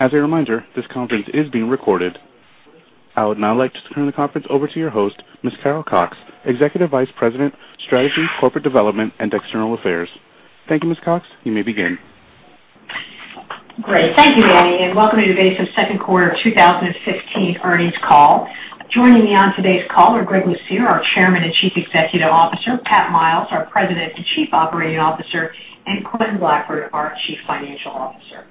As a reminder, this conference is being recorded. I would now like to turn the conference over to your host, Ms. Carol Cox, Executive Vice President, Strategy, Corporate Development, and External Affairs. Thank you, Ms. Cox. You may begin. Great. Thank you, Danny, and welcome to today's second quarter 2015 earnings call. Joining me on today's call are Greg Lucier, our Chairman and Chief Executive Officer, Pat Miles, our President and Chief Operating Officer, and Quentin Blackford, our Chief Financial Officer.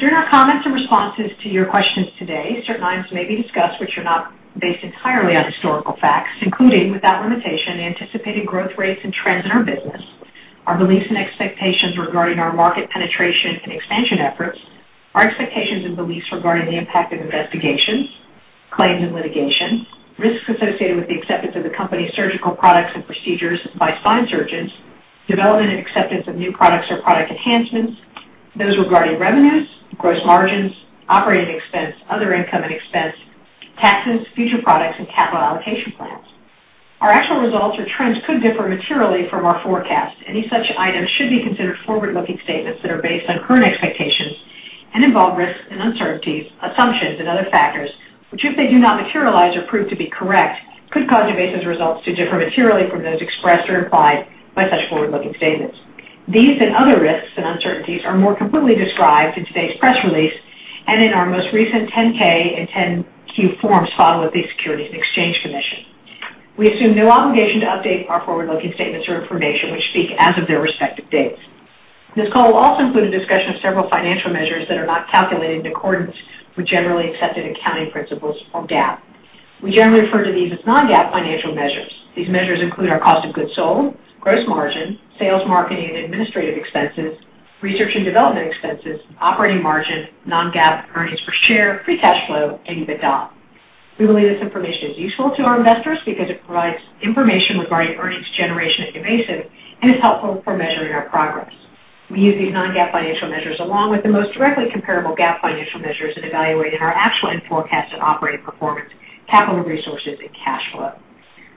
During our comments and responses to your questions today, certain items may be discussed which are not based entirely on historical facts, including, without limitation, anticipated growth rates and trends in our business, our beliefs and expectations regarding our market penetration and expansion efforts, our expectations and beliefs regarding the impact of investigations, claims and litigation, risks associated with the acceptance of the company's surgical products and procedures by spine surgeons, development and acceptance of new products or product enhancements, those regarding revenues, gross margins, operating expense, other income and expense, taxes, future products, and capital allocation plans. Our actual results or trends could differ materially from our forecast. Any such items should be considered forward-looking statements that are based on current expectations and involve risks and uncertainties, assumptions, and other factors which, if they do not materialize or prove to be correct, could cause NuVasive results to differ materially from those expressed or implied by such forward-looking statements. These and other risks and uncertainties are more completely described in today's press release and in our most recent 10-K and 10-Q forms filed with the Securities and Exchange Commission. We assume no obligation to update our forward-looking statements or information which speak as of their respective dates. This call will also include a discussion of several financial measures that are not calculated in accordance with generally accepted accounting principles or GAAP. We generally refer to these as non-GAAP financial measures. These measures include our cost of goods sold, gross margin, sales, marketing, and administrative expenses, research and development expenses, operating margin, non-GAAP earnings per share, free cash flow, and EBITDA. We believe this information is useful to our investors because it provides information regarding earnings generation and NuVasive and is helpful for measuring our progress. We use these non-GAAP financial measures along with the most directly comparable GAAP financial measures and evaluate in our actual and forecasted operating performance, capital resources, and cash flow.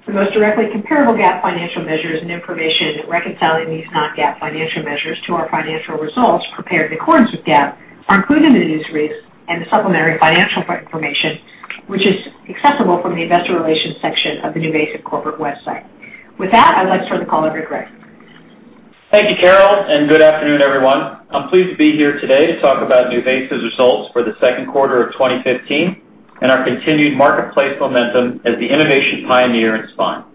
The most directly comparable GAAP financial measures and information reconciling these non-GAAP financial measures to our financial results prepared in accordance with GAAP are included in the news releases and the supplementary financial information which is accessible from the investor relations section of the NuVasive corporate website. With that, I'd like to turn the call over to Greg. Thank you, Carol, and good afternoon, everyone. I'm pleased to be here today to talk about NuVasive's results for the second quarter of 2015 and our continued marketplace momentum as the innovation pioneer in spine.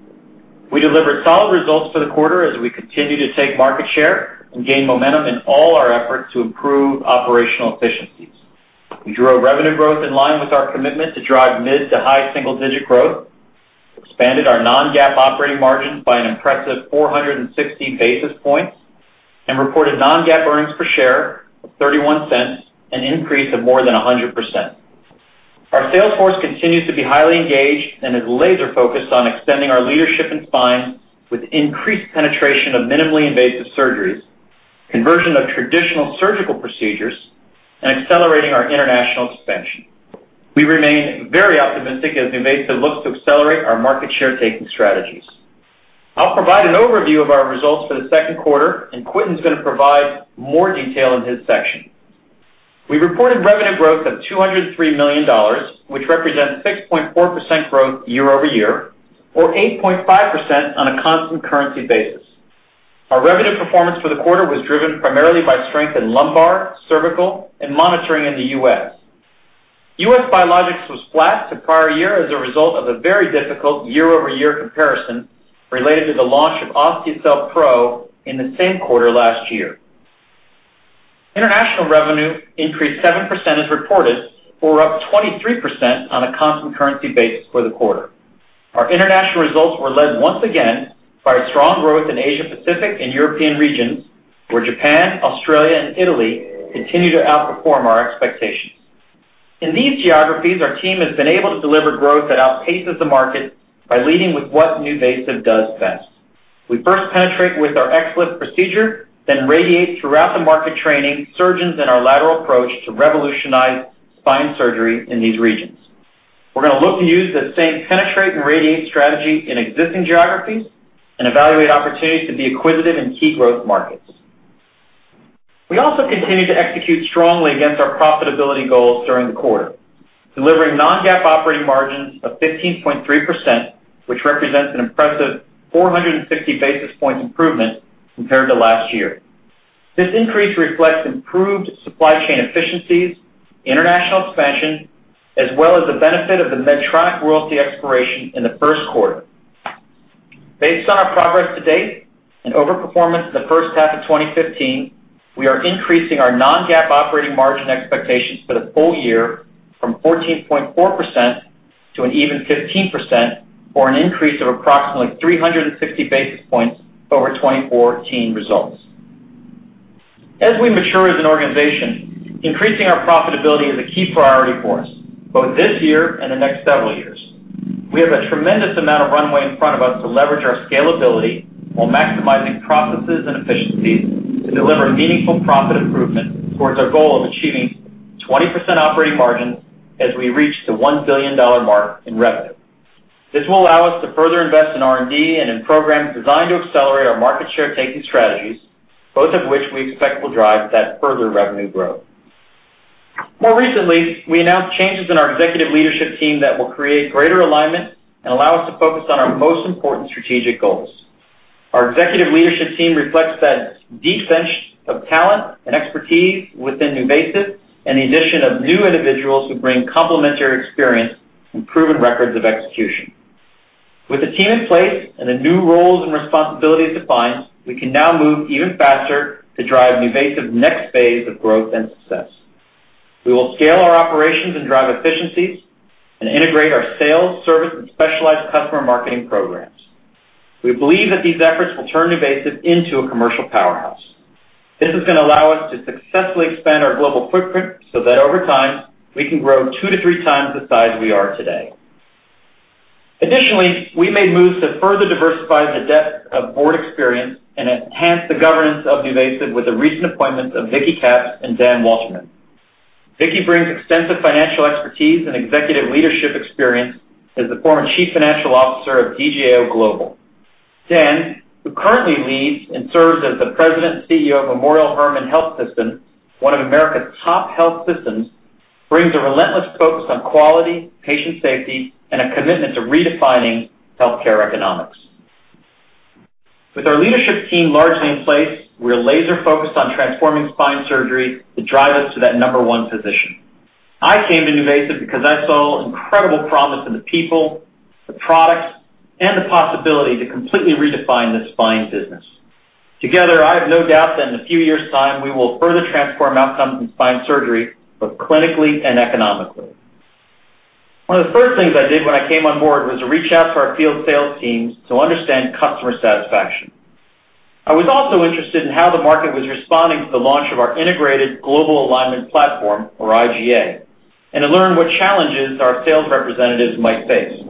We delivered solid results for the quarter as we continued to take market share and gain momentum in all our efforts to improve operational efficiencies. We drove revenue growth in line with our commitment to drive mid- to high single-digit growth, expanded our non-GAAP operating margins by an impressive 460 basis points, and reported non-GAAP earnings per share of $0.31, an increase of more than 100%. Our sales force continues to be highly engaged and is laser-focused on extending our leadership in spine with increased penetration of minimally invasive surgeries, conversion of traditional surgical procedures, and accelerating our international expansion. We remain very optimistic as NuVasive looks to accelerate our market share-taking strategies. I'll provide an overview of our results for the second quarter, and Quentin's going to provide more detail in his section. We reported revenue growth of $203 million, which represents 6.4% growth year-over-year, or 8.5% on a constant currency basis. Our revenue performance for the quarter was driven primarily by strength in lumbar, cervical, and monitoring in the U.S. U.S. Biologics was flat to prior year as a result of a very difficult year-over-year comparison related to the launch of Osteocel Pro in the same quarter last year. International revenue increased 7% as reported, or up 23% on a constant currency basis for the quarter. Our international results were led once again by strong growth in Asia-Pacific and European regions, where Japan, Australia, and Italy continue to outperform our expectations. In these geographies, our team has been able to deliver growth that outpaces the market by leading with what NuVasive does best. We first penetrate with our XLIF procedure, then radiate throughout the market, training surgeons in our lateral approach to revolutionize spine surgery in these regions. We're going to look to use that same penetrate and radiate strategy in existing geographies and evaluate opportunities to be acquisitive in key growth markets. We also continue to execute strongly against our profitability goals during the quarter, delivering non-GAAP operating margins of 15.3%, which represents an impressive 460 basis point improvement compared to last year. This increase reflects improved supply chain efficiencies, international expansion, as well as the benefit of the Medtronic royalty expiration in the first quarter. Based on our progress to date and overperformance in the first half of 2015, we are increasing our non-GAAP operating margin expectations for the full year from 14.4% to an even 15% for an increase of approximately 360 basis points over 2014 results. As we mature as an organization, increasing our profitability is a key priority for us, both this year and the next several years. We have a tremendous amount of runway in front of us to leverage our scalability while maximizing processes and efficiencies to deliver meaningful profit improvement towards our goal of achieving 20% operating margins as we reach the $1 billion mark in revenue. This will allow us to further invest in R&D and in programs designed to accelerate our market share-taking strategies, both of which we expect will drive that further revenue growth. More recently, we announced changes in our executive leadership team that will create greater alignment and allow us to focus on our most important strategic goals. Our executive leadership team reflects that deep bench of talent and expertise within NuVasive and the addition of new individuals who bring complementary experience and proven records of execution. With the team in place and the new roles and responsibilities defined, we can now move even faster to drive NuVasive's next phase of growth and success. We will scale our operations and drive efficiencies and integrate our sales, service, and specialized customer marketing programs. We believe that these efforts will turn NuVasive into a commercial powerhouse. This is going to allow us to successfully expand our global footprint so that over time we can grow two to three times the size we are today. Additionally, we made moves to further diversify the depth of board experience and enhance the governance of NuVasive with the recent appointments of Vicki Katz and Dan Walterman. Vicki brings extensive financial expertise and executive leadership experience as the former Chief Financial Officer of Deloitte Global. Dan, who currently leads and serves as the President and CEO of Memorial Hermann Health System, one of America's top health systems, brings a relentless focus on quality, patient safety, and a commitment to redefining healthcare economics. With our leadership team largely in place, we are laser-focused on transforming spine surgery to drive us to that number one position. I came to NuVasive because I saw incredible promise in the people, the product, and the possibility to completely redefine the spine business. Together, I have no doubt that in a few years' time we will further transform outcomes in spine surgery both clinically and economically. One of the first things I did when I came on board was to reach out to our field sales teams to understand customer satisfaction. I was also interested in how the market was responding to the launch of our Integrated Global Alignment platform, or iGA, and to learn what challenges our sales representatives might face.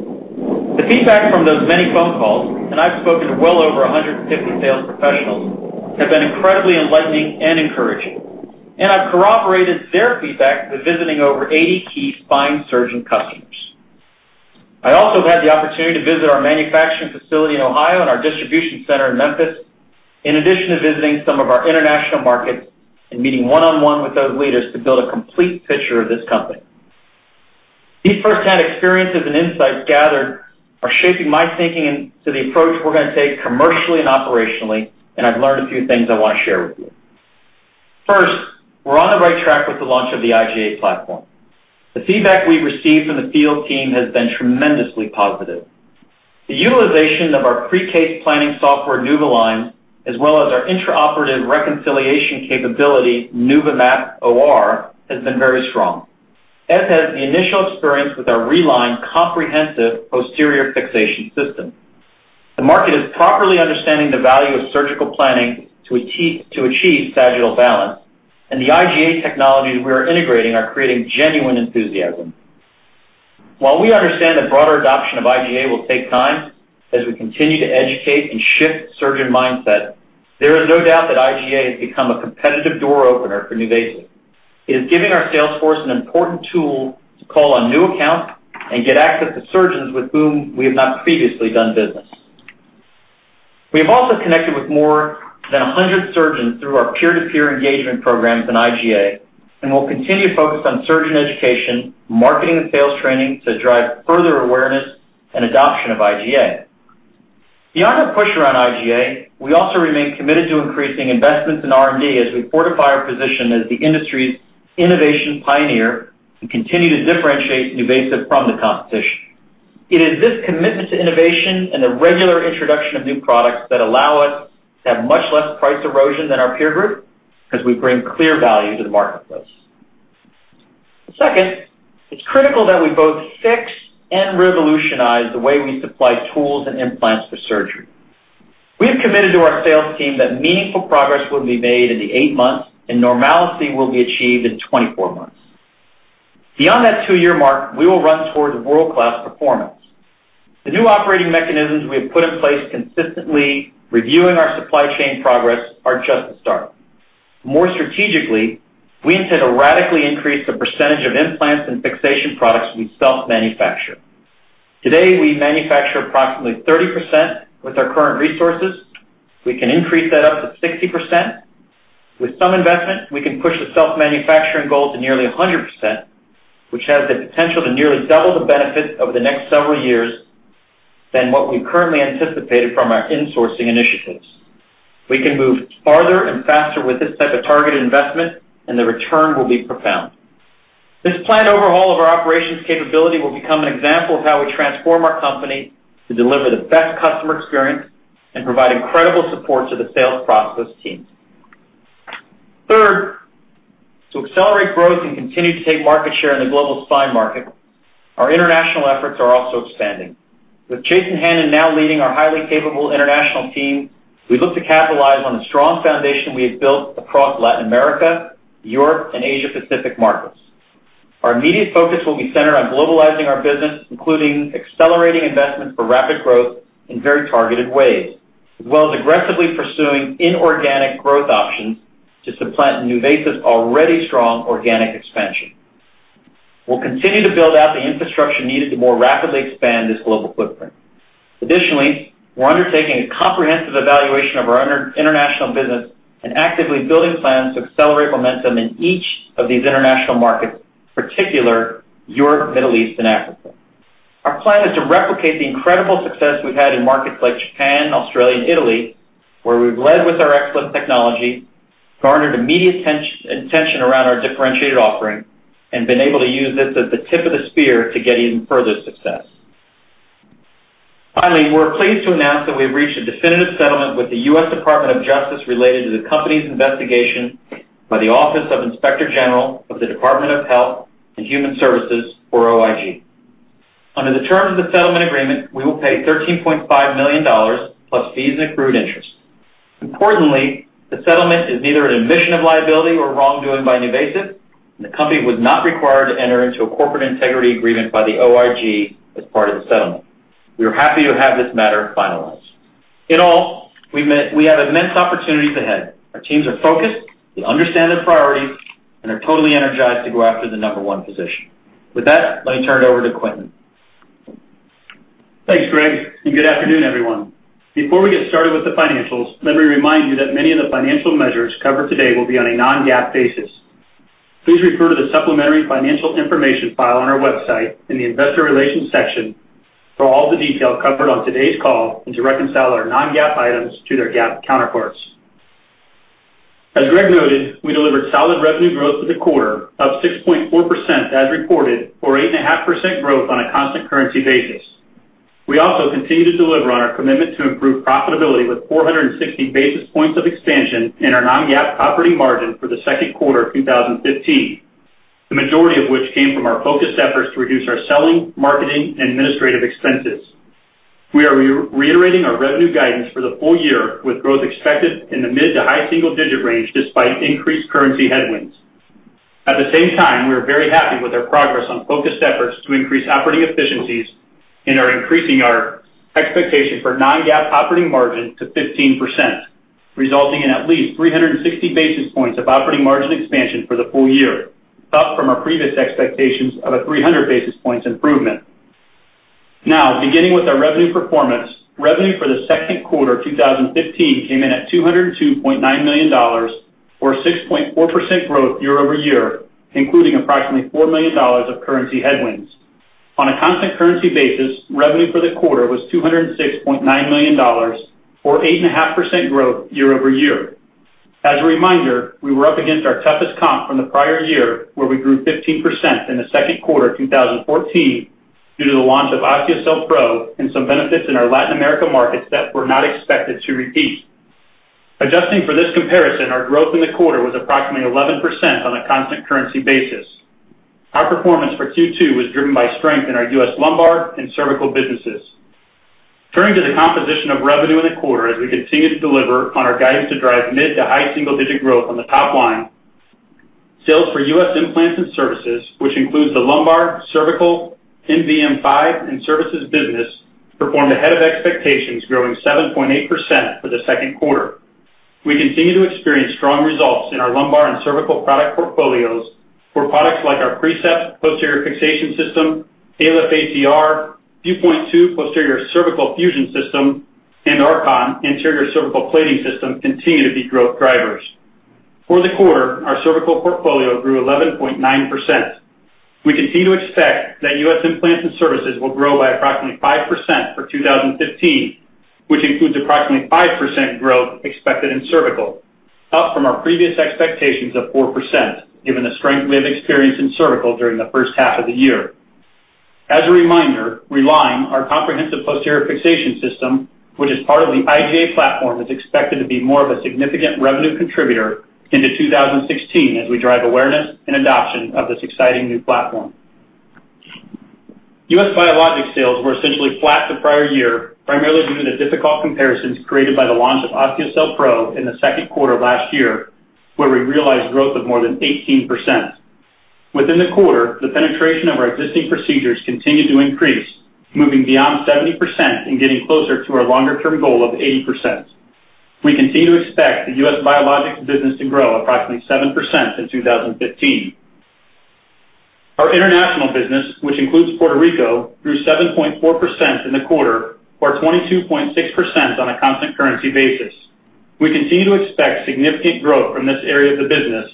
The feedback from those many phone calls, and I've spoken to well over 150 sales professionals, has been incredibly enlightening and encouraging, and I've corroborated their feedback with visiting over 80 key spine surgeon customers. I also had the opportunity to visit our manufacturing facility in Ohio and our distribution center in Memphis, in addition to visiting some of our international markets and meeting one-on-one with those leaders to build a complete picture of this company. These first-hand experiences and insights gathered are shaping my thinking into the approach we're going to take commercially and operationally, and I've learned a few things I want to share with you. First, we're on the right track with the launch of the iGA platform. The feedback we've received from the field team has been tremendously positive. The utilization of our pre-case planning software, NuvaLine, as well as our intraoperative reconciliation capability, NuVaMap OR, has been very strong, as has the initial experience with our ReLine comprehensive posterior fixation system. The market is properly understanding the value of surgical planning to achieve sagittal balance, and the iGA technologies we are integrating are creating genuine enthusiasm. While we understand that broader adoption of iGA will take time as we continue to educate and shift surgeon mindset, there is no doubt that iGA has become a competitive door opener for NuVasive. It is giving our sales force an important tool to call on new accounts and get access to surgeons with whom we have not previously done business. We have also connected with more than 100 surgeons through our peer-to-peer engagement programs in iGA and will continue to focus on surgeon education, marketing, and sales training to drive further awareness and adoption of iGA. Beyond our push around iGA, we also remain committed to increasing investments in R&D as we fortify our position as the industry's innovation pioneer and continue to differentiate NuVasive from the competition. It is this commitment to innovation and the regular introduction of new products that allow us to have much less price erosion than our peer group because we bring clear value to the marketplace. Second, it's critical that we both fix and revolutionize the way we supply tools and implants for surgery. We have committed to our sales team that meaningful progress will be made in the eight months, and normalcy will be achieved in 24 months. Beyond that two-year mark, we will run towards world-class performance. The new operating mechanisms we have put in place, consistently reviewing our supply chain progress, are just the start. More strategically, we intend to radically increase the percentage of implants and fixation products we self-manufacture. Today, we manufacture approximately 30% with our current resources. We can increase that up to 60%. With some investment, we can push the self-manufacturing goal to nearly 100%, which has the potential to nearly double the benefits over the next several years than what we've currently anticipated from our insourcing initiatives. We can move farther and faster with this type of targeted investment, and the return will be profound. This planned overhaul of our operations capability will become an example of how we transform our company to deliver the best customer experience and provide incredible support to the sales process team. Third, to accelerate growth and continue to take market share in the global spine market, our international efforts are also expanding. With Jason Hannon now leading our highly capable international team, we look to capitalize on the strong foundation we have built across Latin America, Europe, and Asia-Pacific markets. Our immediate focus will be centered on globalizing our business, including accelerating investments for rapid growth in very targeted ways, as well as aggressively pursuing inorganic growth options to supplant NuVasive's already strong organic expansion. We'll continue to build out the infrastructure needed to more rapidly expand this global footprint. Additionally, we're undertaking a comprehensive evaluation of our international business and actively building plans to accelerate momentum in each of these international markets, in particular Europe, the Middle East, and Africa. Our plan is to replicate the incredible success we've had in markets like Japan, Australia, and Italy, where we've led with our XLIF technology, garnered immediate attention around our differentiated offering, and been able to use this as the tip of the spear to get even further success. Finally, we're pleased to announce that we have reached a definitive settlement with the US Department of Justice related to the company's investigation by the Office of Inspector General of the Department of Health and Human Services, or OIG. Under the terms of the settlement agreement, we will pay $13.5 million plus fees and accrued interest. Importantly, the settlement is neither an admission of liability or wrongdoing by NuVasive, and the company was not required to enter into a corporate integrity agreement by the OIG as part of the settlement. We are happy to have this matter finalized. In all, we have immense opportunities ahead. Our teams are focused, they understand their priorities, and are totally energized to go after the number one position. With that, let me turn it over to Quentin. Thanks, Greg, and good afternoon, everyone. Before we get started with the financials, let me remind you that many of the financial measures covered today will be on a non-GAAP basis. Please refer to the supplementary financial information file on our website in the investor relations section for all the detail covered on today's call and to reconcile our non-GAAP items to their GAAP counterparts. As Greg noted, we delivered solid revenue growth for the quarter, up 6.4% as reported, or 8.5% growth on a constant currency basis. We also continue to deliver on our commitment to improve profitability with 460 basis points of expansion in our non-GAAP operating margin for the second quarter of 2015, the majority of which came from our focused efforts to reduce our selling, marketing, and administrative expenses. We are reiterating our revenue guidance for the full year with growth expected in the mid to high single-digit range despite increased currency headwinds. At the same time, we are very happy with our progress on focused efforts to increase operating efficiencies and are increasing our expectation for non-GAAP operating margin to 15%, resulting in at least 360 basis points of operating margin expansion for the full year, up from our previous expectations of a 300 basis points improvement. Now, beginning with our revenue performance, revenue for the second quarter of 2015 came in at $202.9 million, or 6.4% growth year-over-year, including approximately $4 million of currency headwinds. On a constant currency basis, revenue for the quarter was $206.9 million, or 8.5% growth year-over-year. As a reminder, we were up against our toughest comp from the prior year, where we grew 15% in the second quarter of 2014 due to the launch of Osteocel Pro and some benefits in our Latin America markets that were not expected to repeat. Adjusting for this comparison, our growth in the quarter was approximately 11% on a constant currency basis. Our performance for Q2 was driven by strength in our U.S. lumbar and cervical businesses. Turning to the composition of revenue in the quarter, as we continue to deliver on our guidance to drive mid to high single-digit growth on the top line, sales for U.S. implants and services, which includes the lumbar, cervical, NVM5, and services business, performed ahead of expectations, growing 7.8% for the second quarter. We continue to experience strong results in our lumbar and cervical product portfolios, where products like our Precept posterior fixation system, ALIF ACR, Vuepoint II posterior cervical fusion system, and Archon interior cervical plating system continue to be growth drivers. For the quarter, our cervical portfolio grew 11.9%. We continue to expect that U.S. implants and services will grow by approximately 5% for 2015, which includes approximately 5% growth expected in cervical, up from our previous expectations of 4%, given the strength we have experienced in cervical during the first half of the year. As a reminder, ReLine, our comprehensive posterior fixation system, which is part of the iGA platform, is expected to be more of a significant revenue contributor into 2016 as we drive awareness and adoption of this exciting new platform. U.S. biologic sales were essentially flat the prior year, primarily due to the difficult comparisons created by the launch of Osteocel Pro in the second quarter of last year, where we realized growth of more than 18%. Within the quarter, the penetration of our existing procedures continued to increase, moving beyond 70% and getting closer to our longer-term goal of 80%. We continue to expect the U.S. biologics business to grow approximately 7% in 2015. Our international business, which includes Puerto Rico, grew 7.4% in the quarter, or 22.6% on a constant currency basis. We continue to expect significant growth from this area of the business,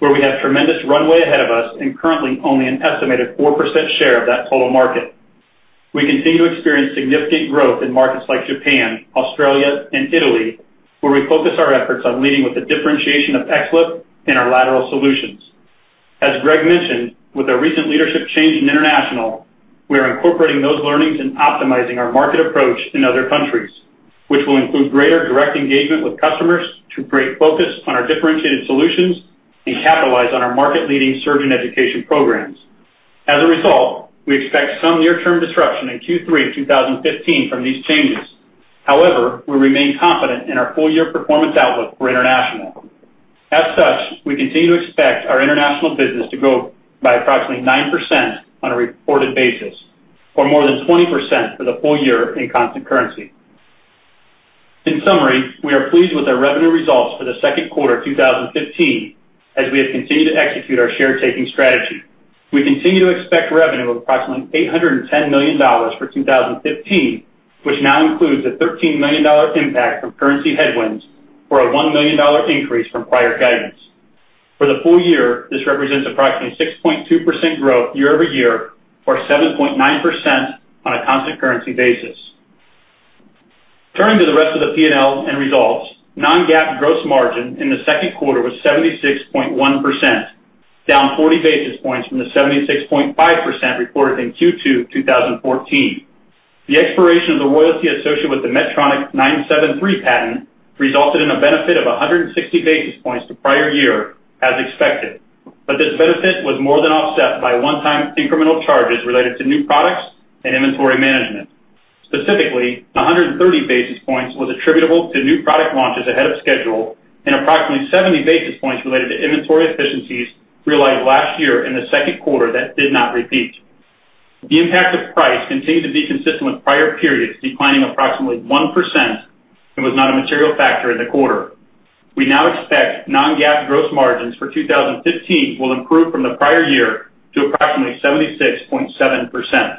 where we have tremendous runway ahead of us and currently only an estimated 4% share of that total market. We continue to experience significant growth in markets like Japan, Australia, and Italy, where we focus our efforts on leading with the differentiation of XLIF and our lateral solutions. As Greg mentioned, with our recent leadership change in international, we are incorporating those learnings and optimizing our market approach in other countries, which will include greater direct engagement with customers to create focus on our differentiated solutions and capitalize on our market-leading surgeon education programs. As a result, we expect some near-term disruption in Q3 of 2015 from these changes. However, we remain confident in our full-year performance outlook for international. As such, we continue to expect our international business to grow by approximately 9% on a reported basis, or more than 20% for the full year in constant currency. In summary, we are pleased with our revenue results for the second quarter of 2015 as we have continued to execute our share-taking strategy. We continue to expect revenue of approximately $810 million for 2015, which now includes a $13 million impact from currency headwinds for a $1 million increase from prior guidance. For the full year, this represents approximately 6.2% growth year-over-year, or 7.9% on a constant currency basis. Turning to the rest of the P&L and results, non-GAAP gross margin in the second quarter was 76.1%, down 40 basis points from the 76.5% reported in Q2 of 2014. The expiration of the royalty associated with the Medtronic 973 patent resulted in a benefit of 160 basis points to prior year, as expected, but this benefit was more than offset by one-time incremental charges related to new products and inventory management. Specifically, 130 basis points was attributable to new product launches ahead of schedule and approximately 70 basis points related to inventory efficiencies realized last year in the second quarter that did not repeat. The impact of price continued to be consistent with prior periods, declining approximately 1% and was not a material factor in the quarter. We now expect non-GAAP gross margins for 2015 will improve from the prior year to approximately 76.7%.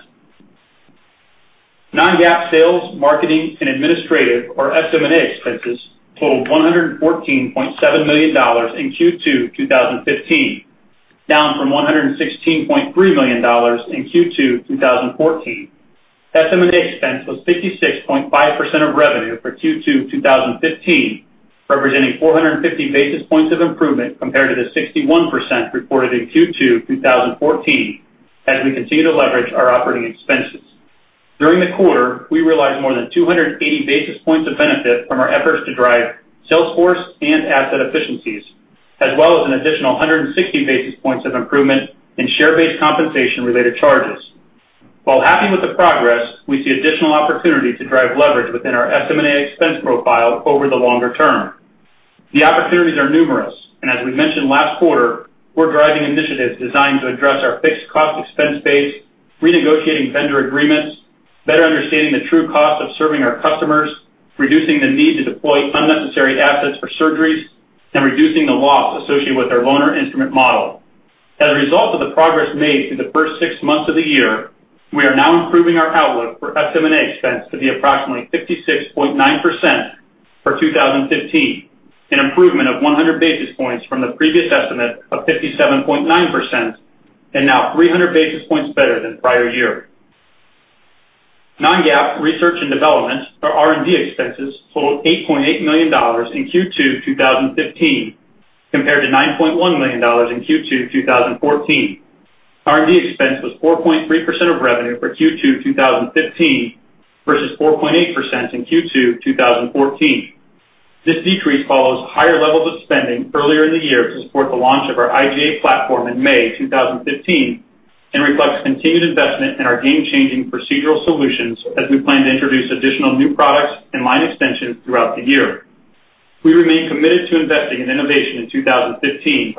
Non-GAAP sales, marketing, and administrative, or SM&A expenses totaled $114.7 million in Q2 of 2015, down from $116.3 million in Q2 of 2014. SM&A expense was 56.5% of revenue for Q2 of 2015, representing 450 basis points of improvement compared to the 61% reported in Q2 of 2014 as we continue to leverage our operating expenses. During the quarter, we realized more than 280 basis points of benefit from our efforts to drive sales force and asset efficiencies, as well as an additional 160 basis points of improvement in share-based compensation-related charges. While happy with the progress, we see additional opportunity to drive leverage within our SM&A expense profile over the longer term. The opportunities are numerous, and as we mentioned last quarter, we're driving initiatives designed to address our fixed cost expense base, renegotiating vendor agreements, better understanding the true cost of serving our customers, reducing the need to deploy unnecessary assets for surgeries, and reducing the loss associated with our loaner instrument model. As a result of the progress made through the first six months of the year, we are now improving our outlook for SM&A expense to be approximately 56.9% for 2015, an improvement of 100 basis points from the previous estimate of 57.9% and now 300 basis points better than prior year. Non-GAAP research and development, or R&D expenses, totaled $8.8 million in Q2 of 2015 compared to $9.1 million in Q2 of 2014. R&D expense was 4.3% of revenue for Q2 of 2015 versus 4.8% in Q2 of 2014. This decrease follows higher levels of spending earlier in the year to support the launch of our iGA platform in May of 2015 and reflects continued investment in our game-changing procedural solutions as we plan to introduce additional new products and line extensions throughout the year. We remain committed to investing in innovation in 2015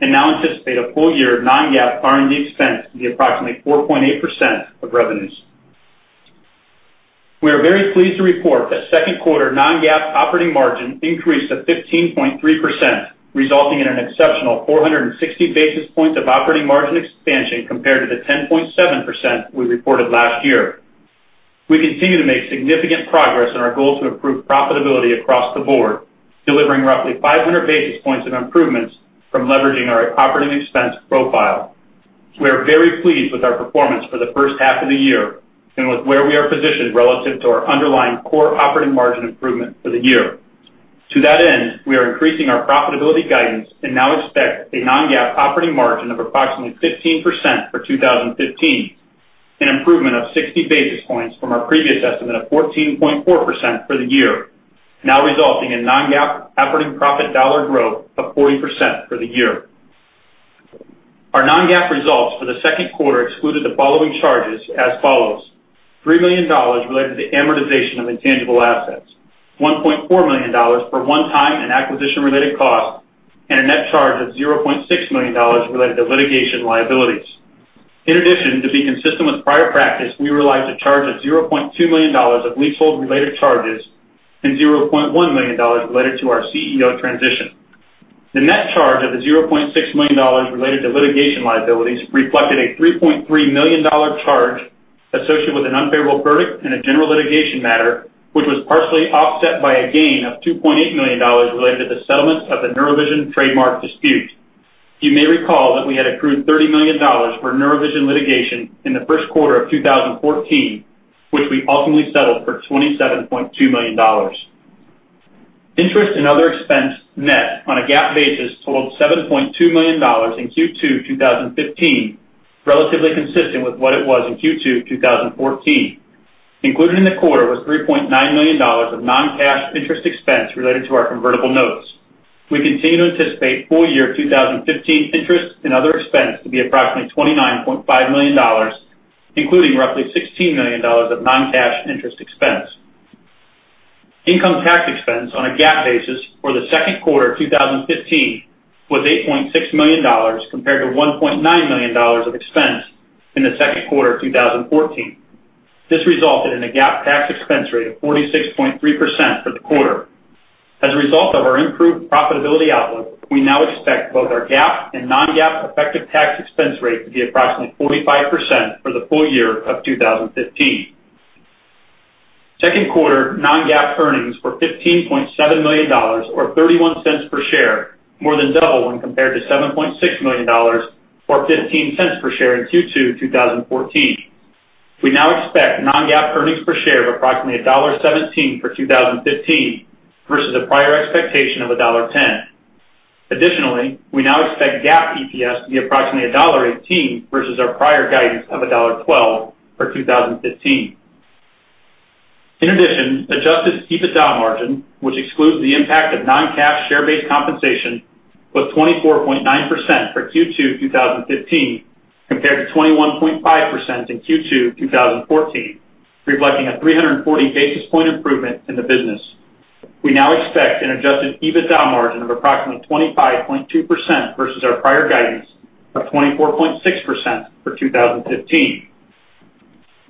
and now anticipate a full year of non-GAAP R&D expense to be approximately 4.8% of revenues. We are very pleased to report that second quarter non-GAAP operating margin increased to 15.3%, resulting in an exceptional 460 basis points of operating margin expansion compared to the 10.7% we reported last year. We continue to make significant progress in our goal to improve profitability across the board, delivering roughly 500 basis points of improvements from leveraging our operating expense profile. We are very pleased with our performance for the first half of the year and with where we are positioned relative to our underlying core operating margin improvement for the year. To that end, we are increasing our profitability guidance and now expect a non-GAAP operating margin of approximately 15% for 2015, an improvement of 60 basis points from our previous estimate of 14.4% for the year, now resulting in non-GAAP operating profit dollar growth of 40% for the year. Our non-GAAP results for the second quarter excluded the following charges as follows: $3 million related to amortization of intangible assets, $1.4 million for one-time and acquisition-related costs, and a net charge of $0.6 million related to litigation liabilities. In addition, to be consistent with prior practice, we were allowed to charge a $0.2 million of leasehold-related charges and $0.1 million related to our CEO transition. The net charge of the $0.6 million related to litigation liabilities reflected a $3.3 million charge associated with an unfavorable verdict in a general litigation matter, which was partially offset by a gain of $2.8 million related to the settlement of the Neurovision trademark dispute. You may recall that we had accrued $30 million for Neurovision litigation in the first quarter of 2014, which we ultimately settled for $27.2 million. Interest and other expense net on a GAAP basis totaled $7.2 million in Q2 of 2015, relatively consistent with what it was in Q2 of 2014. Included in the quarter was $3.9 million of non-cash interest expense related to our convertible notes. We continue to anticipate full year 2015 interest and other expense to be approximately $29.5 million, including roughly $16 million of non-cash interest expense. Income tax expense on a GAAP basis for the second quarter of 2015 was $8.6 million compared to $1.9 million of expense in the second quarter of 2014. This resulted in a GAAP tax expense rate of 46.3% for the quarter. As a result of our improved profitability outlook, we now expect both our GAAP and non-GAAP effective tax expense rate to be approximately 45% for the full year of 2015. Second quarter non-GAAP earnings were $15.7 million, or $0.31 per share, more than double when compared to $7.6 million, or $0.15 per share in Q2 of 2014. We now expect non-GAAP earnings per share of approximately $1.17 for 2015 versus a prior expectation of $1.10. Additionally, we now expect GAAP EPS to be approximately $1.18 versus our prior guidance of $1.12 for 2015. In addition, adjusted EBITDA margin, which excludes the impact of non-cash share-based compensation, was 24.9% for Q2 of 2015 compared to 21.5% in Q2 of 2014, reflecting a 340 basis point improvement in the business. We now expect an adjusted EBITDA margin of approximately 25.2% versus our prior guidance of 24.6% for 2015.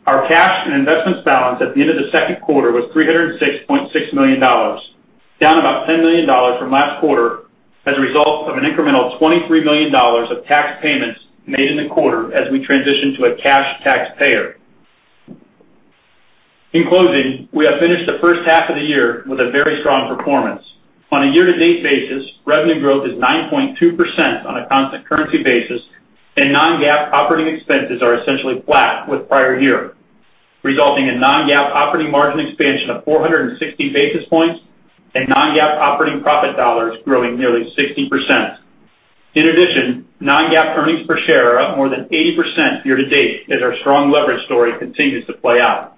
Our cash and investments balance at the end of the second quarter was $306.6 million, down about $10 million from last quarter as a result of an incremental $23 million of tax payments made in the quarter as we transitioned to a cash taxpayer. In closing, we have finished the first half of the year with a very strong performance. On a year-to-date basis, revenue growth is 9.2% on a constant currency basis, and non-GAAP operating expenses are essentially flat with prior year, resulting in non-GAAP operating margin expansion of 460 basis points and non-GAAP operating profit dollars growing nearly 60%. In addition, non-GAAP earnings per share are up more than 80% year-to-date as our strong leverage story continues to play out.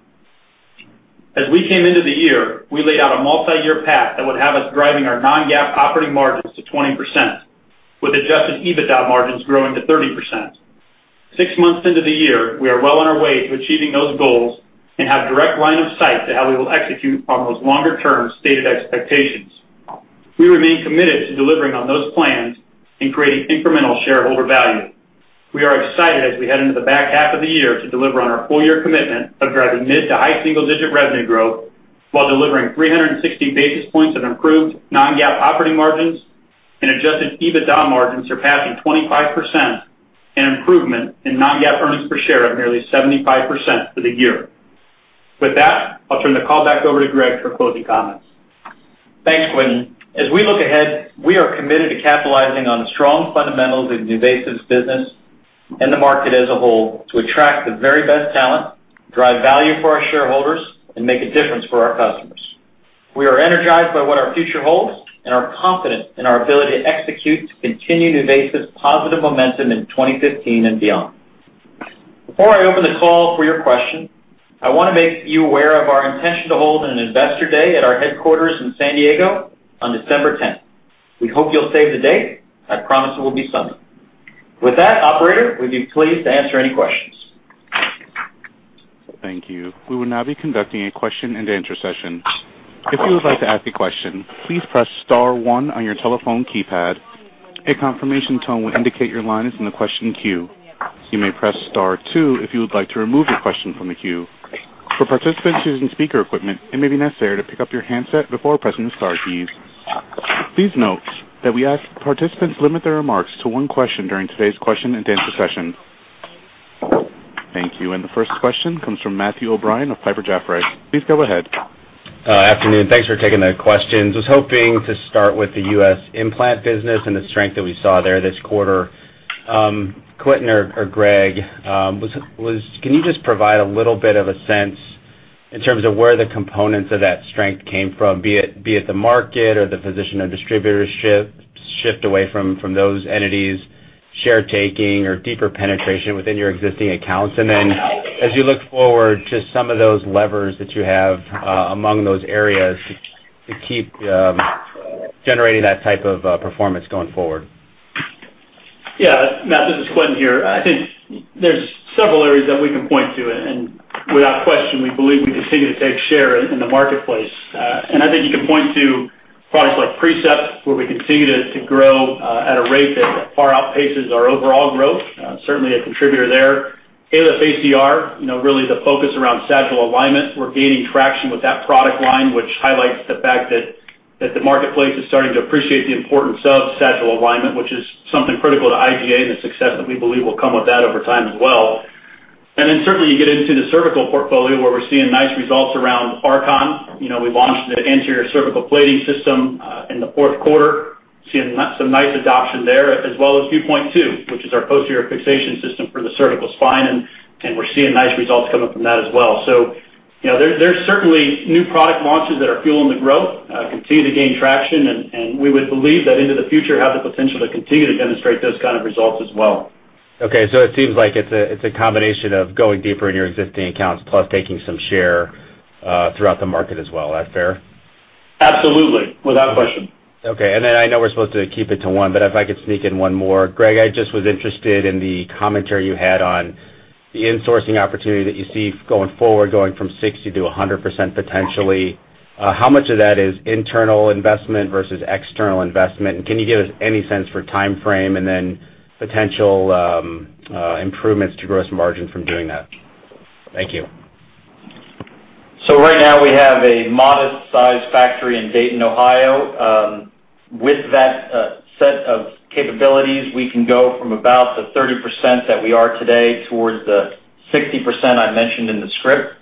As we came into the year, we laid out a multi-year path that would have us driving our non-GAAP operating margins to 20%, with adjusted EBITDA margins growing to 30%. Six months into the year, we are well on our way to achieving those goals and have direct line of sight to how we will execute on those longer-term stated expectations. We remain committed to delivering on those plans and creating incremental shareholder value. We are excited as we head into the back half of the year to deliver on our full-year commitment of driving mid to high single-digit revenue growth while delivering 360 basis points of improved non-GAAP operating margins and adjusted EBITDA margins surpassing 25% and improvement in non-GAAP earnings per share of nearly 75% for the year. With that, I'll turn the call back over to Greg for closing comments. Thanks, Quentin. As we look ahead, we are committed to capitalizing on the strong fundamentals in NuVasive's business and the market as a whole to attract the very best talent, drive value for our shareholders, and make a difference for our customers. We are energized by what our future holds and are confident in our ability to execute to continue NuVasive's positive momentum in 2015 and beyond. Before I open the call for your question, I want to make you aware of our intention to hold an investor day at our headquarters in San Diego on December 10th. We hope you'll save the date. I promise it will be something. With that, Operator, we'd be pleased to answer any questions. Thank you. We will now be conducting a question-and-answer session. If you would like to ask a question, please press star one on your telephone keypad. A confirmation tone will indicate your line is in the question queue. You may press star two if you would like to remove your question from the queue. For participants using speaker equipment, it may be necessary to pick up your handset before pressing the star keys. Please note that we ask participants to limit their remarks to one question during today's question-and-answer session. Thank you. The first question comes from Matt O'Brien of Piper Jaffray. Please go ahead. Good afternoon. Thanks for taking the questions. I was hoping to start with the U.S. implant business and the strength that we saw there this quarter. Quentin or Greg, can you just provide a little bit of a sense in terms of where the components of that strength came from, be it the market or the position of distributorship, shift away from those entities, share-taking, or deeper penetration within your existing accounts? As you look forward to some of those levers that you have among those areas to keep generating that type of performance going forward. Yeah. Matt, this is Quentin here. I think there are several areas that we can point to. Without question, we believe we continue to take share in the marketplace. I think you can point to products like Precept, where we continue to grow at a rate that far outpaces our overall growth. Certainly a contributor there. ALIF ACR, really the focus around sagittal alignment. We're gaining traction with that product line, which highlights the fact that the marketplace is starting to appreciate the importance of sagittal alignment, which is something critical to iGA and the success that we believe will come with that over time as well. You get into the cervical portfolio where we're seeing nice results around Archon. We launched the anterior cervical plating system in the fourth quarter. Seeing some nice adoption there as well as Vuepoint II, which is our posterior fixation system for the cervical spine. We're seeing nice results coming from that as well. There's certainly new product launches that are fueling the growth, continue to gain traction, and we would believe that into the future have the potential to continue to demonstrate those kinds of results as well. Okay. It seems like it's a combination of going deeper in your existing accounts plus taking some share throughout the market as well. That fair? Absolutely. Without question. Okay. I know we're supposed to keep it to one, but if I could sneak in one more. Greg, I just was interested in the commentary you had on the insourcing opportunity that you see going forward, going from 60%-100% potentially. How much of that is internal investment versus external investment? Can you give us any sense for timeframe and then potential improvements to gross margin from doing that? Thank you. Right now we have a modest-sized factory in Dayton, Ohio. With that set of capabilities, we can go from about the 30% that we are today towards the 60% I mentioned in the script.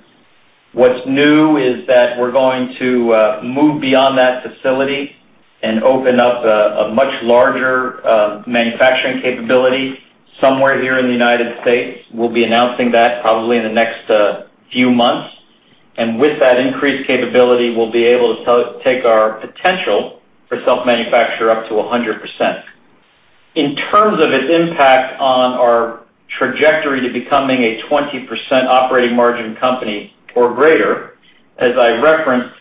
What's new is that we're going to move beyond that facility and open up a much larger manufacturing capability somewhere here in the United States. We'll be announcing that probably in the next few months. With that increased capability, we'll be able to take our potential for self-manufacture up to 100%. In terms of its impact on our trajectory to becoming a 20% operating margin company or greater, as I referenced,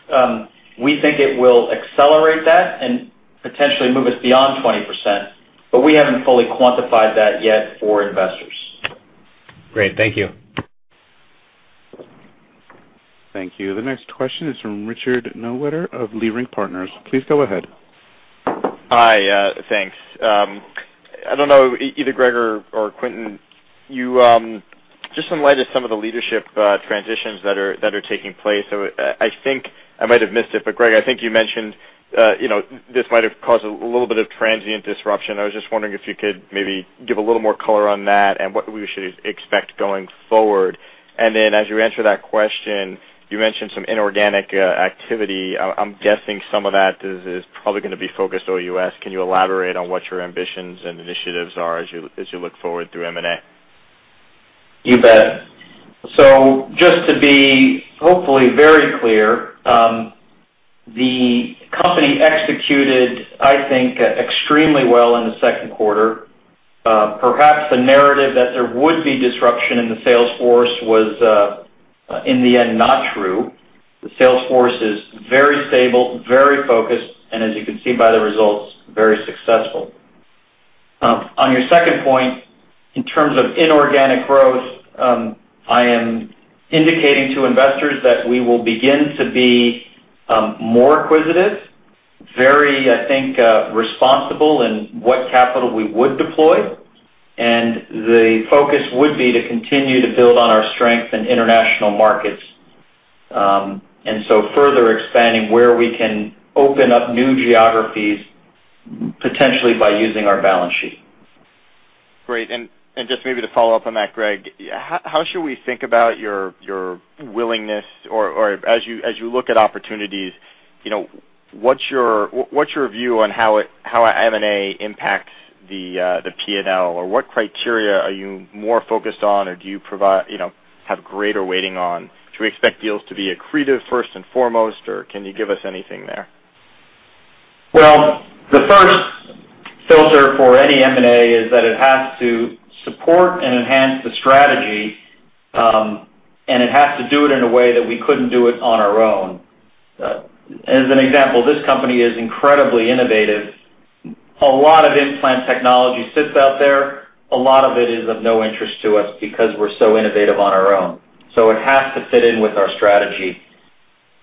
we think it will accelerate that and potentially move us beyond 20%, but we haven't fully quantified that yet for investors. Great. Thank you. Thank you. The next question is from Richard Newitter of Leerink Partners. Please go ahead. Hi. Thanks. I don't know, either Greg or Quentin, just in light of some of the leadership transitions that are taking place. I think I might have missed it, but Greg, I think you mentioned this might have caused a little bit of transient disruption. I was just wondering if you could maybe give a little more color on that and what we should expect going forward. As you answer that question, you mentioned some inorganic activity. I'm guessing some of that is probably going to be focused on U.S. Can you elaborate on what your ambitions and initiatives are as you look forward through M&A? You bet. Just to be hopefully very clear, the company executed, I think, extremely well in the second quarter. Perhaps the narrative that there would be disruption in the sales force was, in the end, not true. The sales force is very stable, very focused, and as you can see by the results, very successful. On your second point, in terms of inorganic growth, I am indicating to investors that we will begin to be more acquisitive, very, I think, responsible in what capital we would deploy. The focus would be to continue to build on our strength in international markets and so further expanding where we can open up new geographies, potentially by using our balance sheet. Great. Just maybe to follow up on that, Greg, how should we think about your willingness or as you look at opportunities, what's your view on how M&A impacts the P&L? What criteria are you more focused on, or do you have greater weighting on? Should we expect deals to be accretive first and foremost, or can you give us anything there? The first filter for any M&A is that it has to support and enhance the strategy, and it has to do it in a way that we could not do it on our own. As an example, this company is incredibly innovative. A lot of implant technology sits out there. A lot of it is of no interest to us because we are so innovative on our own. It has to fit in with our strategy.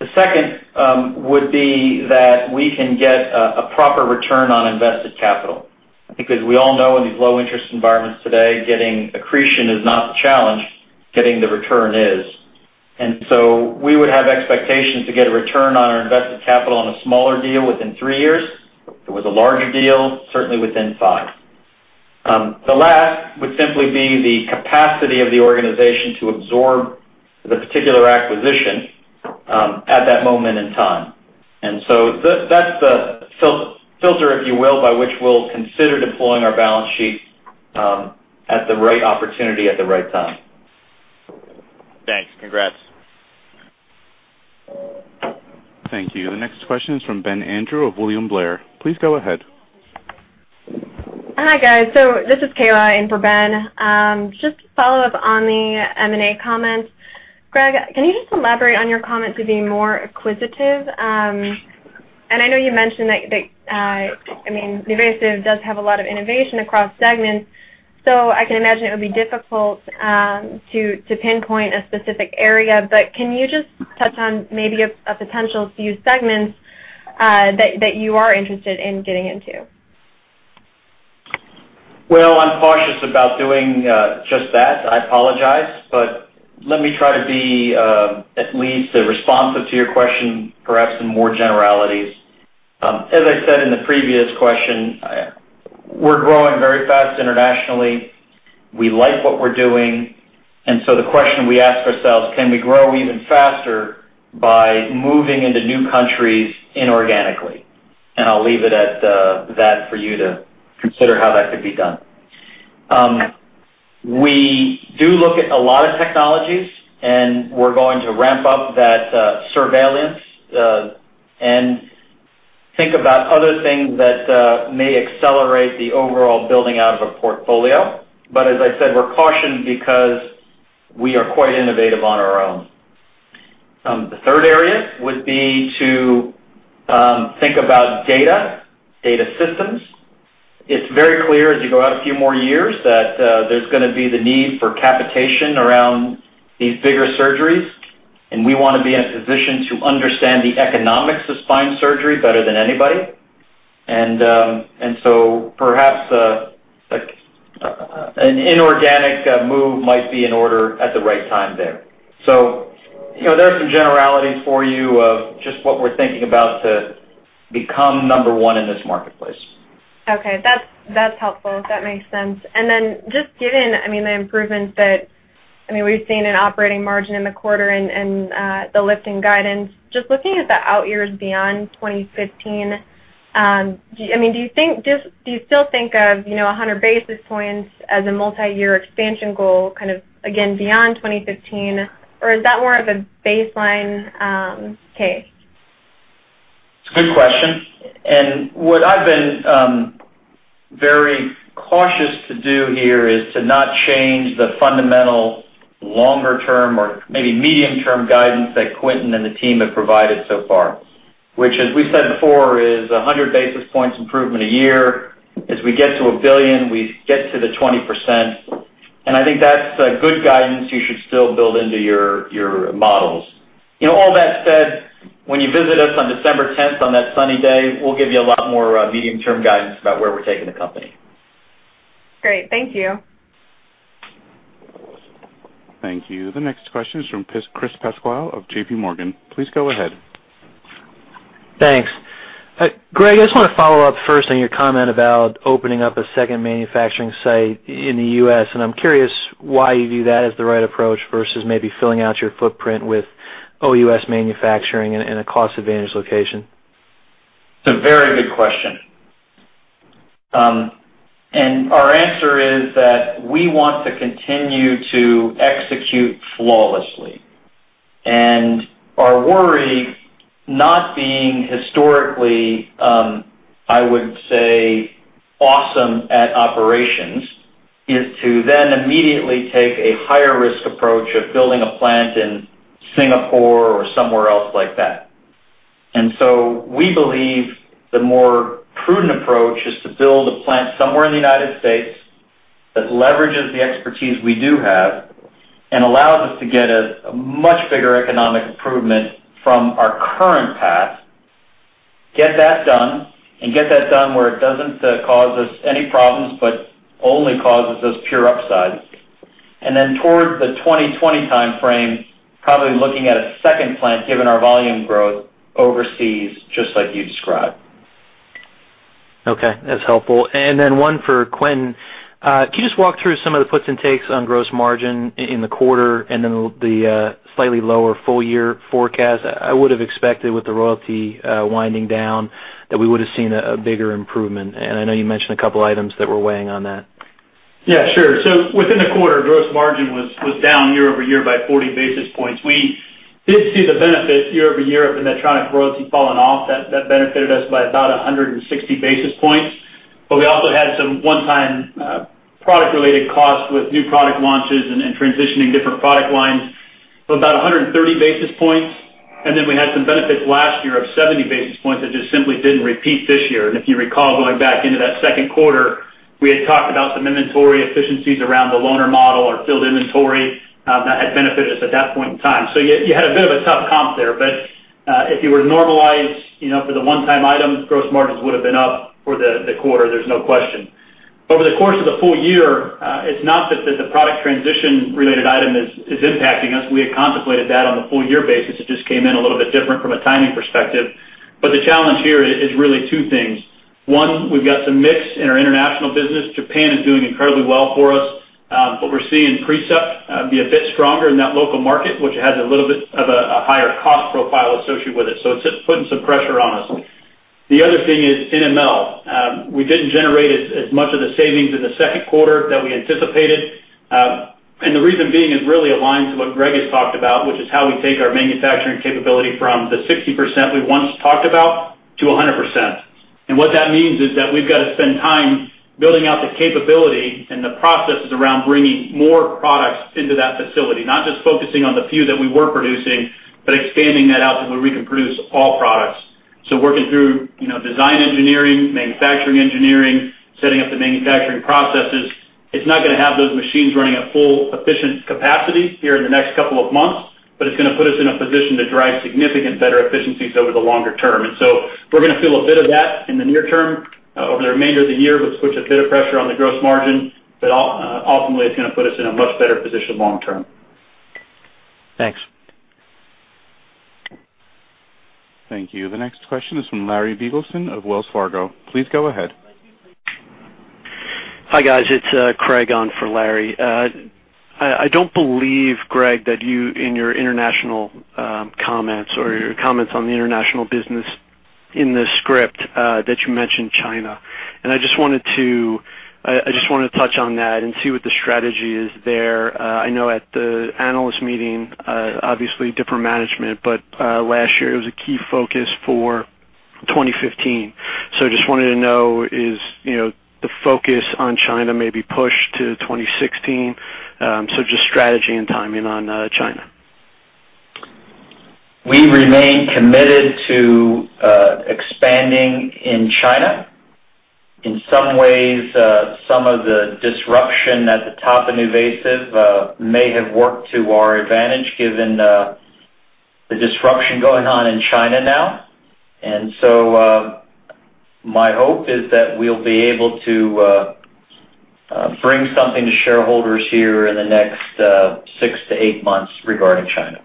The second would be that we can get a proper return on invested capital. Because we all know in these low-interest environments today, getting accretion is not the challenge. Getting the return is. We would have expectations to get a return on our invested capital on a smaller deal within three years. If it was a larger deal, certainly within five. The last would simply be the capacity of the organization to absorb the particular acquisition at that moment in time. That is the filter, if you will, by which we'll consider deploying our balance sheet at the right opportunity at the right time. Thanks. Congrats. Thank you. The next question is from Ben Andrew of William Blair. Please go ahead. Hi, guys. This is Kayla in for Ben. Just to follow up on the M&A comments, Greg, can you just elaborate on your comment to be more acquisitive? I know you mentioned that, I mean, NuVasive does have a lot of innovation across segments, so I can imagine it would be difficult to pinpoint a specific area. Can you just touch on maybe a potential few segments that you are interested in getting into? I'm cautious about doing just that. I apologize. Let me try to be at least responsive to your question, perhaps in more generalities. As I said in the previous question, we're growing very fast internationally. We like what we're doing. The question we ask ourselves, can we grow even faster by moving into new countries inorganically? I'll leave it at that for you to consider how that could be done. We do look at a lot of technologies, and we're going to ramp up that surveillance and think about other things that may accelerate the overall building out of a portfolio. As I said, we're cautioned because we are quite innovative on our own. The third area would be to think about data, data systems. It's very clear as you go out a few more years that there's going to be the need for capitation around these bigger surgeries. We want to be in a position to understand the economics of spine surgery better than anybody. Perhaps an inorganic move might be in order at the right time there. There are some generalities for you of just what we're thinking about to become number one in this marketplace. Okay. That's helpful. That makes sense. Just given, I mean, the improvements that, I mean, we've seen in operating margin in the quarter and the lifting guidance, just looking at the out years beyond 2015, I mean, do you still think of 100 basis points as a multi-year expansion goal kind of, again, beyond 2015, or is that more of a baseline case? It's a good question. What I've been very cautious to do here is to not change the fundamental longer-term or maybe medium-term guidance that Quentin and the team have provided so far, which, as we said before, is 100 basis points improvement a year. As we get to a billion, we get to the 20%. I think that's good guidance. You should still build into your models. All that said, when you visit us on December 10th on that sunny day, we'll give you a lot more medium-term guidance about where we're taking the company. Great. Thank you. Thank you. The next question is from Chris Pasquale of JPMorgan. Please go ahead. Thanks. Greg, I just want to follow up first on your comment about opening up a second manufacturing site in the U.S. I'm curious why you view that as the right approach versus maybe filling out your footprint with OUS manufacturing in a cost-advantage location. It's a very good question. Our answer is that we want to continue to execute flawlessly. Our worry, not being historically, I would say, awesome at operations, is to then immediately take a higher-risk approach of building a plant in Singapore or somewhere else like that. We believe the more prudent approach is to build a plant somewhere in the United States that leverages the expertise we do have and allows us to get a much bigger economic improvement from our current path, get that done, and get that done where it doesn't cause us any problems but only causes us pure upside. Then towards the 2020 timeframe, probably looking at a second plant given our volume growth overseas, just like you described. Okay. That's helpful. Then one for Quentin. Can you just walk through some of the puts and takes on gross margin in the quarter and then the slightly lower full-year forecast? I would have expected with the royalty winding down that we would have seen a bigger improvement. I know you mentioned a couple of items that were weighing on that. Yeah. Sure. Within the quarter, gross margin was down year-over-year by 40 basis points. We did see the benefit year-over-year of the Medtronic royalty falling off. That benefited us by about 160 basis points. We also had some one-time product-related costs with new product launches and transitioning different product lines of about 130 basis points. We had some benefits last year of 70 basis points that just simply did not repeat this year. If you recall, going back into that second quarter, we had talked about some inventory efficiencies around the loaner model or filled inventory that had benefited us at that point in time. You had a bit of a tough comp there. If you were to normalize for the one-time item, gross margins would have been up for the quarter. There is no question. Over the course of the full year, it is not that the product transition-related item is impacting us. We had contemplated that on the full-year basis. It just came in a little bit different from a timing perspective. The challenge here is really two things. One, we have some mix in our international business. Japan is doing incredibly well for us, but we're seeing Precept be a bit stronger in that local market, which has a little bit of a higher cost profile associated with it. It is putting some pressure on us. The other thing is NML. We didn't generate as much of the savings in the second quarter that we anticipated. The reason being is really aligned to what Greg has talked about, which is how we take our manufacturing capability from the 60% we once talked about to 100%. What that means is that we've got to spend time building out the capability and the processes around bringing more products into that facility, not just focusing on the few that we were producing, but expanding that out so we can produce all products. Working through design engineering, manufacturing engineering, setting up the manufacturing processes, it's not going to have those machines running at full efficient capacity here in the next couple of months, but it's going to put us in a position to drive significant better efficiencies over the longer term. We're going to feel a bit of that in the near term. Over the remainder of the year, we'll put a bit of pressure on the gross margin, but ultimately, it's going to put us in a much better position long-term. Thanks. Thank you. The next question is from Larry Biegelsen of Wells Fargo. Please go ahead. Hi, guys. It's Craig on for Larry. I don't believe, Greg, that you in your international comments or your comments on the international business in the script that you mentioned China. I just wanted to touch on that and see what the strategy is there. I know at the analyst meeting, obviously, different management, but last year, it was a key focus for 2015. I just wanted to know, is the focus on China maybe pushed to 2016? Just strategy and timing on China. We remain committed to expanding in China. In some ways, some of the disruption at the top of NuVasive may have worked to our advantage given the disruption going on in China now. My hope is that we'll be able to bring something to shareholders here in the next six to eight months regarding China.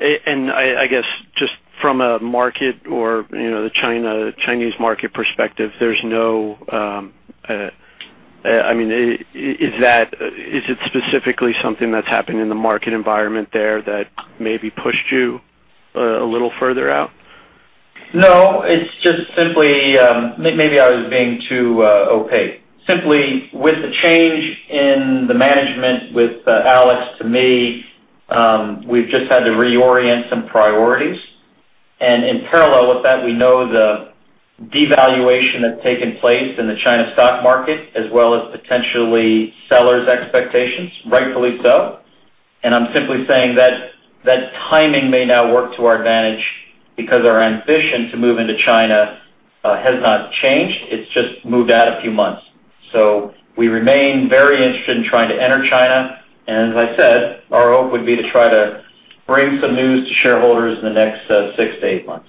I guess just from a market or the Chinese market perspective, there's no, I mean, is it specifically something that's happened in the market environment there that maybe pushed you a little further out? No. It's just simply, maybe I was being too opaque. Simply, with the change in the management with Alex to me, we've just had to reorient some priorities. In parallel with that, we know the devaluation that's taken place in the China stock market as well as potentially sellers' expectations, rightfully so. I'm simply saying that timing may now work to our advantage because our ambition to move into China has not changed. It's just moved out a few months. We remain very interested in trying to enter China. As I said, our hope would be to try to bring some news to shareholders in the next six to eight months.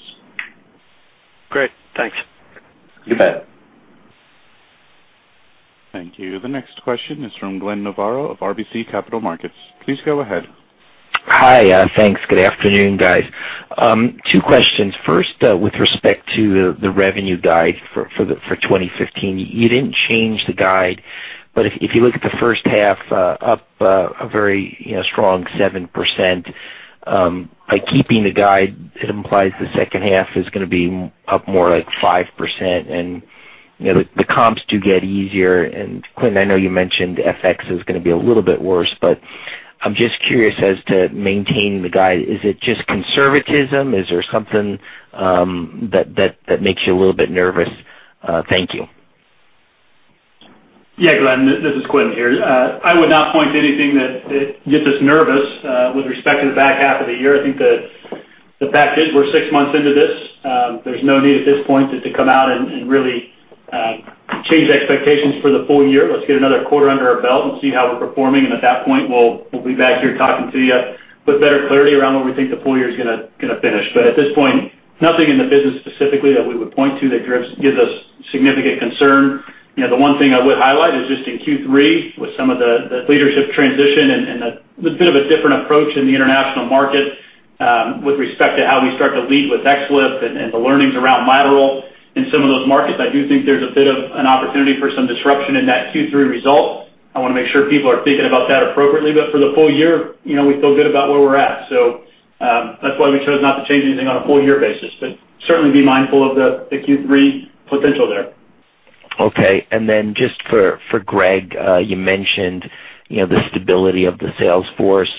Great. Thanks. You bet. Thank you. The next question is from Glenn Novarro of RBC Capital Markets. Please go ahead. Hi. Thanks. Good afternoon, guys. Two questions. First, with respect to the revenue guide for 2015, you did not change the guide. If you look at the first half, up a very strong 7%. By keeping the guide, it implies the second half is going to be up more like 5%. The comps do get easier. Quentin, I know you mentioned FX is going to be a little bit worse, but I am just curious as to maintaining the guide. Is it just conservatism? Is there something that makes you a little bit nervous? Thank you. Yeah, Glenn, this is Quentin here. I would not point to anything that gets us nervous with respect to the back half of the year. I think the fact is we're six months into this. There's no need at this point to come out and really change expectations for the full year. Let's get another quarter under our belt and see how we're performing. At that point, we'll be back here talking to you with better clarity around where we think the full year is going to finish. At this point, nothing in the business specifically that we would point to that gives us significant concern. The one thing I would highlight is just in Q3 with some of the leadership transition and a bit of a different approach in the international market with respect to how we start to lead with XLIFs and the learnings around lateral in some of those markets. I do think there's a bit of an opportunity for some disruption in that Q3 result. I want to make sure people are thinking about that appropriately. For the full year, we feel good about where we're at. That is why we chose not to change anything on a full-year basis. Certainly be mindful of the Q3 potential there. Okay. Just for Greg, you mentioned the stability of the sales force.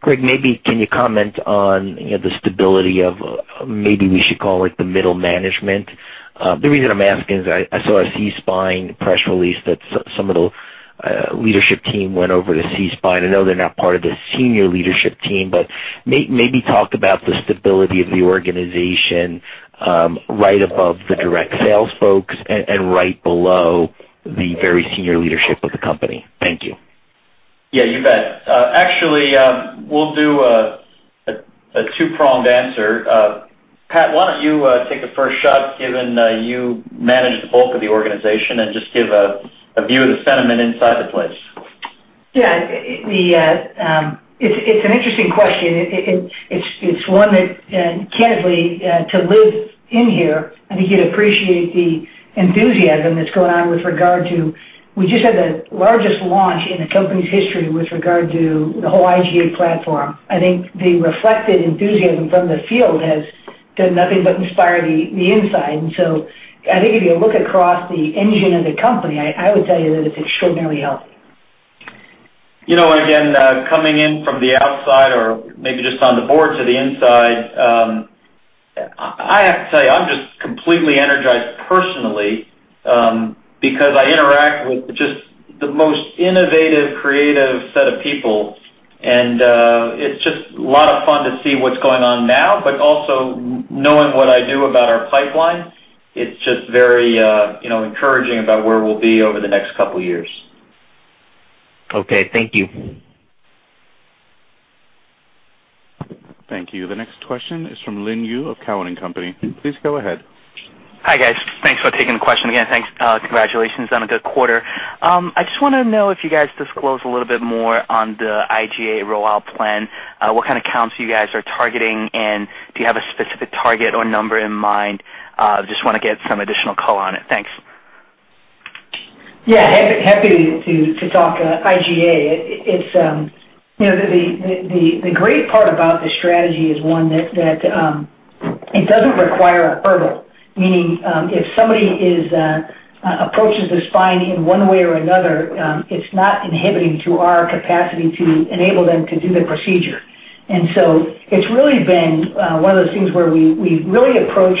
Greg, maybe can you comment on the stability of maybe we should call it the middle management? The reason I'm asking is I saw a C-spine press release that some of the leadership team went over to C-spine. I know they're not part of the senior leadership team, but maybe talk about the stability of the organization right above the direct sales folks and right below the very senior leadership of the company. Thank you. Yeah, you bet. Actually, we'll do a two-pronged answer. Pat, why don't you take the first shot given you manage the bulk of the organization and just give a view of the sentiment inside the place? Yeah. It's an interesting question. It's one that, candidly, to live in here, I think you'd appreciate the enthusiasm that's going on with regard to we just had the largest launch in the company's history with regard to the whole iGA platform. I think the reflected enthusiasm from the field has done nothing but inspire the inside. I think if you look across the engine of the company, I would tell you that it's extraordinarily healthy. Again, coming in from the outside or maybe just on the boards of the inside, I have to tell you, I'm just completely energized personally because I interact with just the most innovative, creative set of people. It's just a lot of fun to see what's going on now, but also knowing what I do about our pipeline, it's just very encouraging about where we'll be over the next couple of years. Okay. Thank you. Thank you. The next question is from Lin Yu of Cowen & Company. Please go ahead. Hi, guys. Thanks for taking the question again. Thanks. Congratulations on a good quarter. I just want to know if you guys disclose a little bit more on the iGA rollout plan, what kind of comps you guys are targeting, and do you have a specific target or number in mind? Just want to get some additional color on it. Thanks. Yeah. Happy to talk iGA. The great part about the strategy is one that it doesn't require a hurdle, meaning if somebody approaches the spine in one way or another, it's not inhibiting to our capacity to enable them to do the procedure. It's really been one of those things where we really approach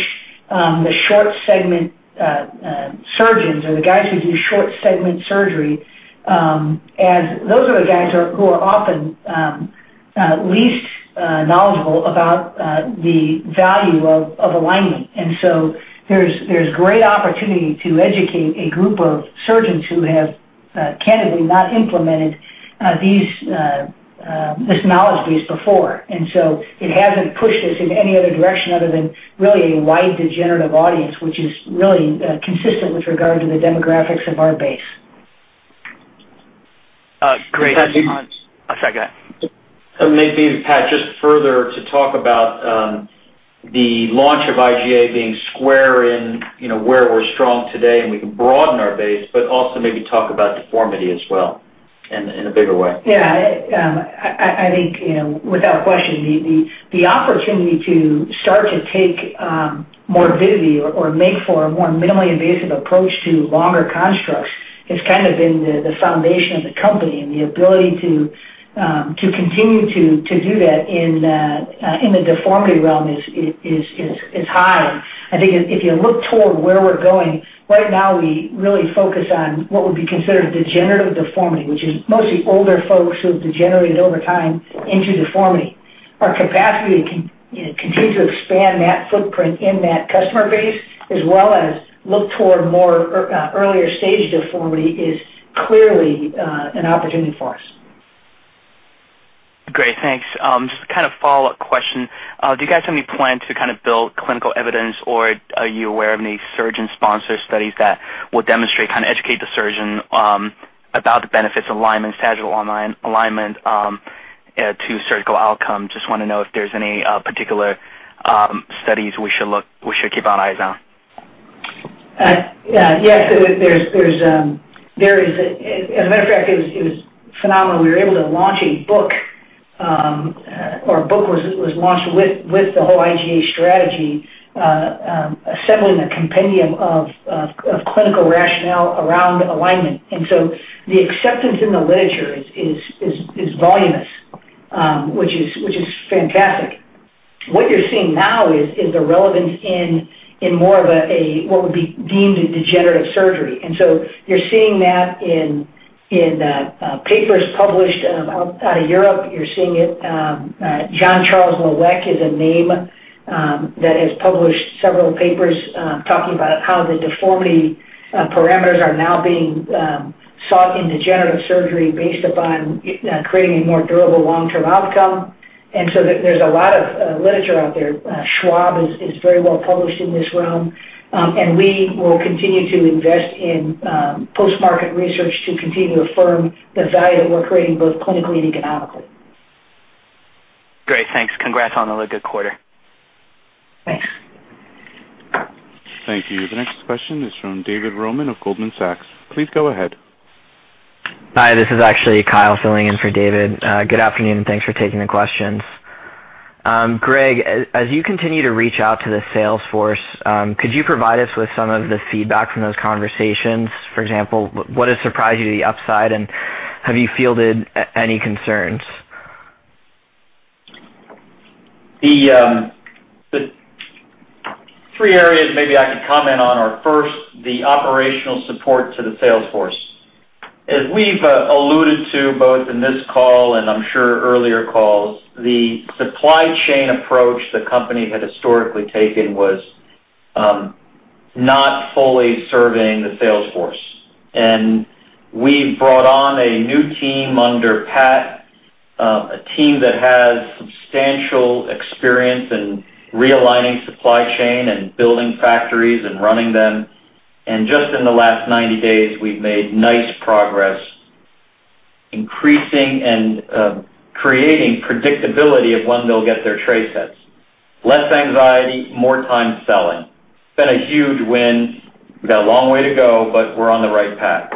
the short-segment surgeons or the guys who do short-segment surgery as those are the guys who are often least knowledgeable about the value of alignment. There's great opportunity to educate a group of surgeons who have candidly not implemented this knowledge base before. It hasn't pushed us in any other direction other than really a wide degenerative audience, which is really consistent with regard to the demographics of our base. Great. I'm sorry. Go ahead. Maybe, Pat, just further to talk about the launch of iGA being square in where we're strong today and we can broaden our base, but also maybe talk about deformity as well in a bigger way. Yeah. I think without question, the opportunity to start to take more vividly or make for a more minimally invasive approach to longer constructs has kind of been the foundation of the company. The ability to continue to do that in the deformity realm is high. I think if you look toward where we're going, right now, we really focus on what would be considered degenerative deformity, which is mostly older folks who have degenerated over time into deformity. Our capacity to continue to expand that footprint in that customer base as well as look toward more earlier-stage deformity is clearly an opportunity for us. Great. Thanks. Just kind of follow-up question. Do you guys have any plan to kind of build clinical evidence, or are you aware of any surgeon-sponsored studies that will demonstrate kind of educate the surgeon about the benefits of alignment, sagittal alignment to surgical outcome? Just want to know if there's any particular studies we should keep our eyes on. Yeah. Yes. As a matter of fact, it was phenomenal. We were able to launch a book or a book was launched with the whole iGA strategy, assembling a compendium of clinical rationale around alignment. And so the acceptance in the literature is voluminous, which is fantastic. What you're seeing now is the relevance in more of what would be deemed degenerative surgery. And so you're seeing that in papers published out of Europe. You're seeing it. John Charles Lowek is a name that has published several papers talking about how the deformity parameters are now being sought in degenerative surgery based upon creating a more durable long-term outcome. There is a lot of literature out there. Schwab is very well published in this realm. We will continue to invest in post-market research to continue to affirm the value that we are creating both clinically and economically. Great. Thanks. Congrats on a good quarter. Thanks. Thank you. The next question is from David Roman of Goldman Sachs. Please go ahead. Hi. This is actually Kyle filling in for David. Good afternoon, and thanks for taking the questions. Greg, as you continue to reach out to the sales force, could you provide us with some of the feedback from those conversations? For example, what has surprised you to the upside, and have you fielded any concerns? The three areas maybe I could comment on are, first, the operational support to the sales force. As we've alluded to both in this call and I'm sure earlier calls, the supply chain approach the company had historically taken was not fully serving the sales force. We've brought on a new team under Pat, a team that has substantial experience in realigning supply chain and building factories and running them. Just in the last 90 days, we've made nice progress increasing and creating predictability of when they'll get their tray sets. Less anxiety, more time selling. It's been a huge win. We've got a long way to go, but we're on the right path.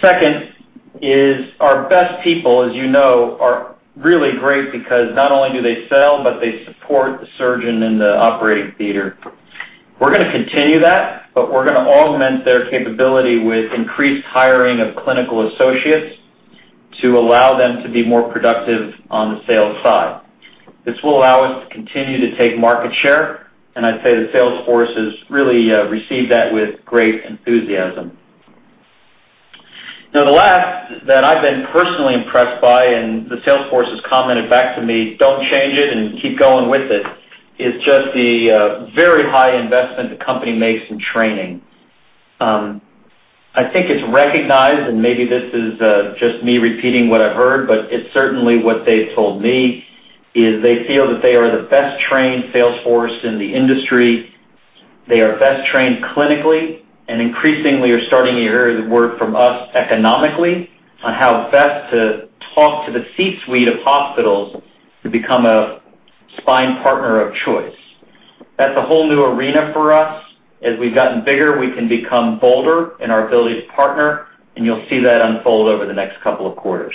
Second is our best people, as you know, are really great because not only do they sell, but they support the surgeon in the operating theater. We're going to continue that, but we're going to augment their capability with increased hiring of clinical associates to allow them to be more productive on the sales side. This will allow us to continue to take market share. I'd say the sales force has really received that with great enthusiasm. The last that I've been personally impressed by, and the sales force has commented back to me, "Don't change it and keep going with it," is just the very high investment the company makes in training. I think it's recognized, and maybe this is just me repeating what I've heard, but it's certainly what they've told me is they feel that they are the best-trained sales force in the industry. They are best-trained clinically and increasingly are starting to hear the word from us economically on how best to talk to the C-suite of hospitals to become a spine partner of choice. That is a whole new arena for us. As we have gotten bigger, we can become bolder in our ability to partner, and you will see that unfold over the next couple of quarters.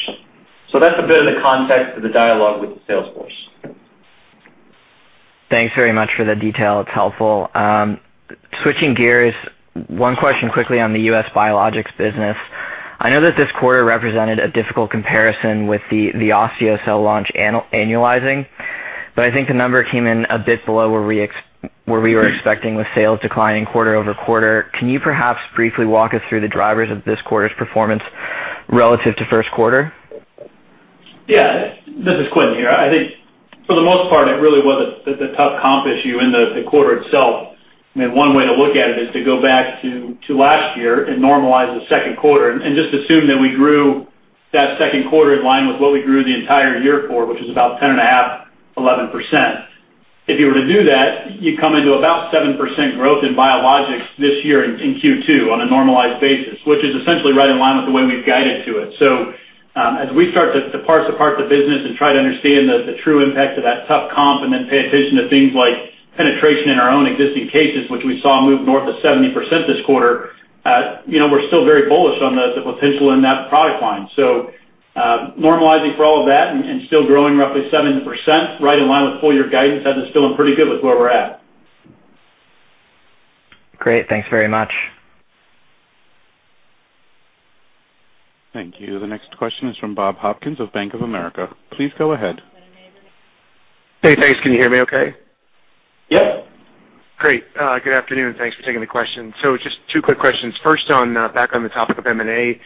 That is a bit of the context of the dialogue with the sales force. Thanks very much for the detail. It is helpful. Switching gears, one question quickly on the U.S. Biologics business. I know that this quarter represented a difficult comparison with the Osteocel Pro launch annualizing, but I think the number came in a bit below where we were expecting with sales declining quarter over quarter. Can you perhaps briefly walk us through the drivers of this quarter's performance relative to first quarter? Yeah. This is Quentin here. I think for the most part, it really wasn't the tough comp issue in the quarter itself. I mean, one way to look at it is to go back to last year and normalize the second quarter and just assume that we grew that second quarter in line with what we grew the entire year for, which is about 10.5%-11%. If you were to do that, you'd come into about 7% growth in Biologics this year in Q2 on a normalized basis, which is essentially right in line with the way we've guided to it. As we start to parse apart the business and try to understand the true impact of that tough comp and then pay attention to things like penetration in our own existing cases, which we saw move north of 70% this quarter, we're still very bullish on the potential in that product line. Normalizing for all of that and still growing roughly 7%, right in line with full-year guidance, that is still pretty good with where we're at. Great. Thanks very much. Thank you. The next question is from Bob Hopkins of Bank of America. Please go ahead. Hey, thanks. Can you hear me okay? Yep. Great. Good afternoon. Thanks for taking the question. Just two quick questions. First, back on the topic of M&A,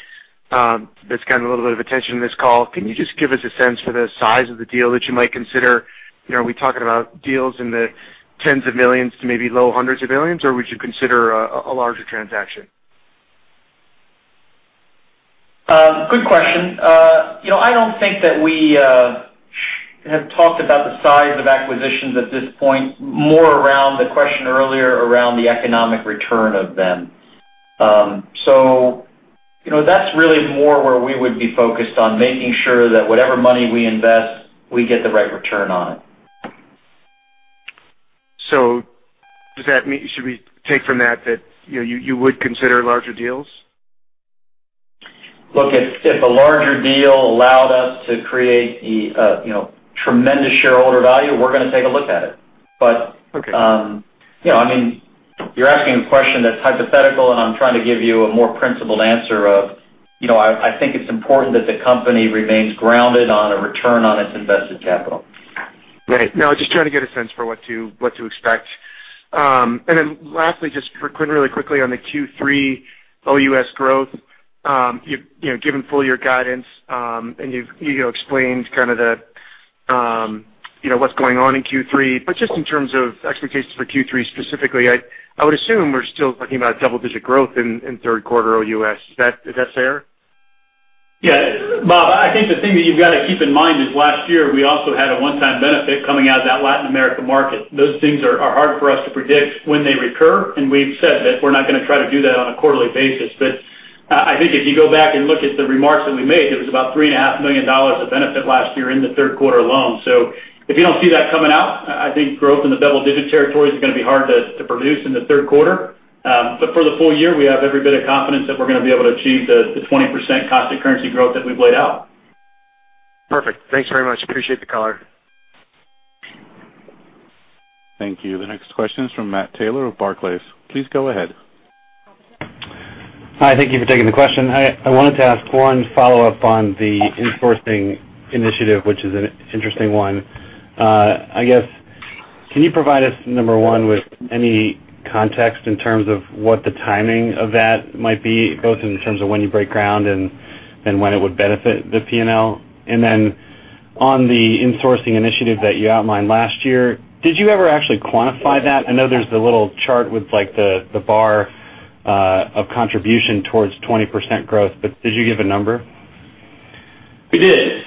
that's gotten a little bit of attention in this call. Can you just give us a sense for the size of the deal that you might consider? Are we talking about deals in the tens of millions to maybe low hundreds of millions, or would you consider a larger transaction? Good question. I don't think that we have talked about the size of acquisitions at this point, more around the question earlier around the economic return of them. That's really more where we would be focused on making sure that whatever money we invest, we get the right return on it. Does that mean should we take from that that you would consider larger deals? Look, if a larger deal allowed us to create tremendous shareholder value, we're going to take a look at it. But I mean, you're asking a question that's hypothetical, and I'm trying to give you a more principled answer of I think it's important that the company remains grounded on a return on its invested capital. Right. No, just trying to get a sense for what to expect. And then lastly, just quickly, really quickly on the Q3 OUS growth, given full-year guidance, and you explained kind of what's going on in Q3, but just in terms of expectations for Q3 specifically, I would assume we're still talking about double-digit growth in third-quarter OUS. Is that fair? Yeah. Bob, I think the thing that you've got to keep in mind is last year, we also had a one-time benefit coming out of that Latin America market. Those things are hard for us to predict when they recur, and we've said that we're not going to try to do that on a quarterly basis. I think if you go back and look at the remarks that we made, it was about $3.5 million of benefit last year in the third quarter alone. If you do not see that coming out, I think growth in the double-digit territory is going to be hard to produce in the third quarter. For the full year, we have every bit of confidence that we're going to be able to achieve the 20% cost of currency growth that we've laid out. Perfect. Thanks very much. Appreciate the color. Thank you. The next question is from Matt Taylor of Barclays. Please go ahead. Hi. Thank you for taking the question. I wanted to ask one follow-up on the insourcing initiative, which is an interesting one. I guess, can you provide us, number one, with any context in terms of what the timing of that might be, both in terms of when you break ground and when it would benefit the P&L? And then on the insourcing initiative that you outlined last year, did you ever actually quantify that? I know there's the little chart with the bar of contribution towards 20% growth, but did you give a number? We did.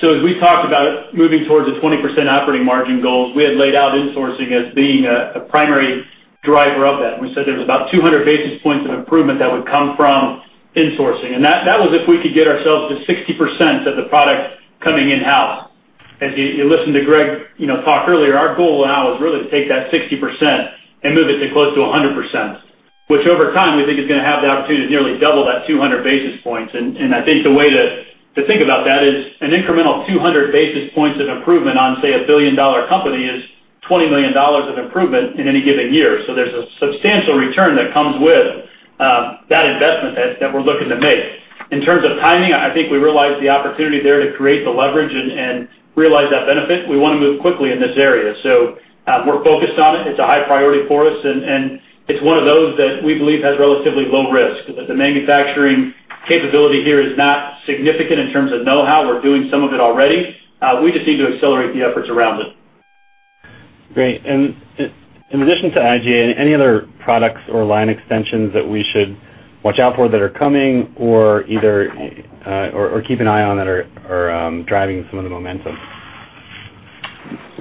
So as we talked about moving towards the 20% operating margin goals, we had laid out insourcing as being a primary driver of that. We said there was about 200 basis points of improvement that would come from insourcing. And that was if we could get ourselves to 60% of the product coming in-house. As you listened to Greg talk earlier, our goal now is really to take that 60% and move it to close to 100%, which over time, we think is going to have the opportunity to nearly double that 200 basis points. I think the way to think about that is an incremental 200 basis points of improvement on, say, a billion-dollar company is $20 million of improvement in any given year. There is a substantial return that comes with that investment that we're looking to make. In terms of timing, I think we realized the opportunity there to create the leverage and realize that benefit. We want to move quickly in this area. We're focused on it. It's a high priority for us, and it's one of those that we believe has relatively low risk. The manufacturing capability here is not significant in terms of know-how. We're doing some of it already. We just need to accelerate the efforts around it. Great. And in addition to iGA, any other products or line extensions that we should watch out for that are coming or keep an eye on that are driving some of the momentum?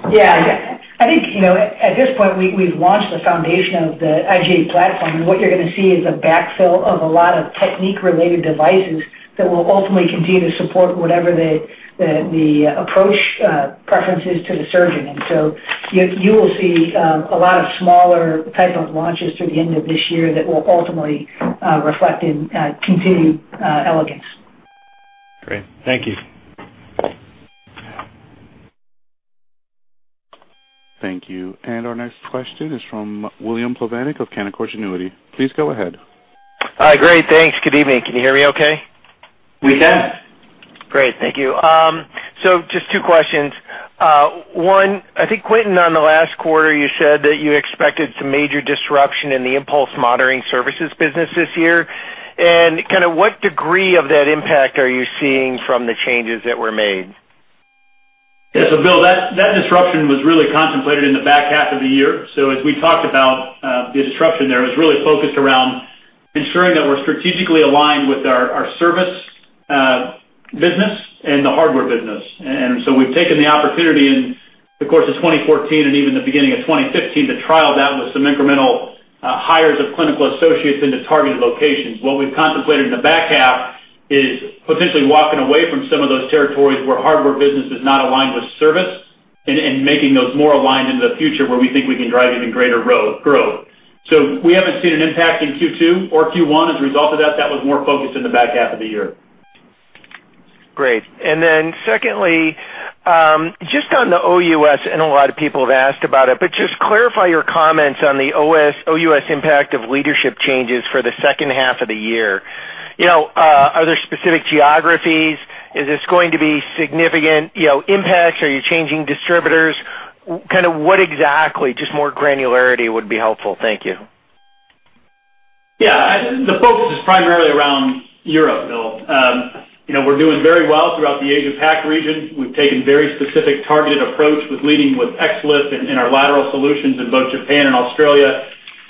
Yeah. I think at this point, we've launched the foundation of the iGA platform, and what you're going to see is a backfill of a lot of technique-related devices that will ultimately continue to support whatever the approach preference is to the surgeon. You will see a lot of smaller type of launches through the end of this year that will ultimately reflect in continued elegance. Great. Thank you. Thank you. Our next question is from William Plovanic of Canaccord Genuity. Please go ahead. Hi. Great. Thanks. Good evening. Can you hear me okay? We can. Great. Thank you. Just two questions. One, I think Quentin, on the last quarter, you said that you expected some major disruption in the impulse monitoring services business this year. What degree of that impact are you seeing from the changes that were made? Yeah. Bill, that disruption was really contemplated in the back half of the year. As we talked about, the disruption there was really focused around ensuring that we're strategically aligned with our service business and the hardware business. We have taken the opportunity in the course of 2014 and even the beginning of 2015 to trial that with some incremental hires of clinical associates into targeted locations. What we've contemplated in the back half is potentially walking away from some of those territories where hardware business is not aligned with service and making those more aligned into the future where we think we can drive even greater growth. We haven't seen an impact in Q2 or Q1 as a result of that. That was more focused in the back half of the year. Great. Secondly, just on the OUS, I know a lot of people have asked about it, but just clarify your comments on the OUS impact of leadership changes for the second half of the year. Are there specific geographies? Is this going to be significant impacts? Are you changing distributors? Kind of what exactly? Just more granularity would be helpful. Thank you. Yeah. The focus is primarily around Europe, Bill. We're doing very well throughout the Asia-Pac region. We've taken a very specific targeted approach with leading with XLIF and our lateral solutions in both Japan and Australia,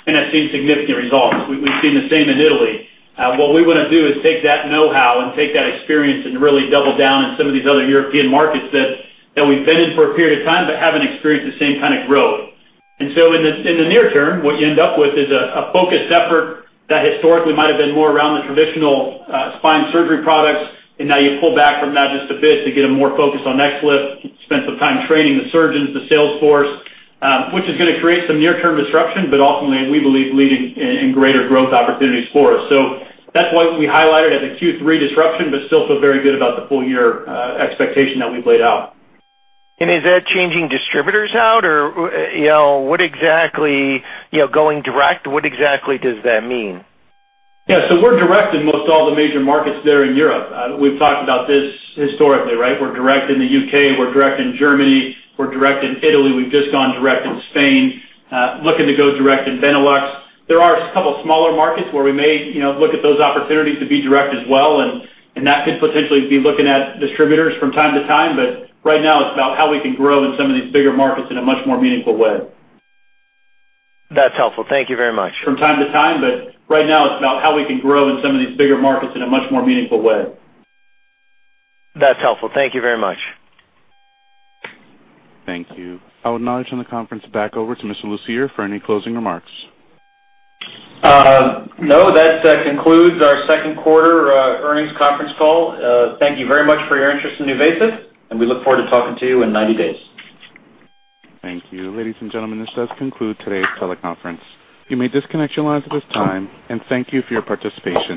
and have seen significant results. We've seen the same in Italy. What we want to do is take that know-how and take that experience and really double down in some of these other European markets that we've been in for a period of time but haven't experienced the same kind of growth. In the near term, what you end up with is a focused effort that historically might have been more around the traditional spine surgery products, and now you pull back from that just a bit to get a more focus on XLIF, spend some time training the surgeons, the sales force, which is going to create some near-term disruption, but ultimately, we believe, leading in greater growth opportunities for us. That's why we highlighted as a Q3 disruption, but still feel very good about the full-year expectation that we've laid out. Is that changing distributors out, or what exactly going direct, what exactly does that mean? Yeah. We're direct in most all the major markets there in Europe. We've talked about this historically, right? We're direct in the U.K. We're direct in Germany. We're direct in Italy. We've just gone direct in Spain, looking to go direct in Benelux. There are a couple of smaller markets where we may look at those opportunities to be direct as well, and that could potentially be looking at distributors from time to time. Right now, it's about how we can grow in some of these bigger markets in a much more meaningful way. That's helpful. Thank you very much. From time to time, but right now, it's about how we can grow in some of these bigger markets in a much more meaningful way. That's helpful. Thank you very much. Thank you. I'll acknowledge on the conference back over to Mr. Lucier for any closing remarks. No. That concludes our second-quarter earnings conference call. Thank you very much for your interest in NuVasive, and we look forward to talking to you in 90 days. Thank you. Ladies and gentlemen, this does conclude today's teleconference. You may disconnect your lines at this time, and thank you for your participation.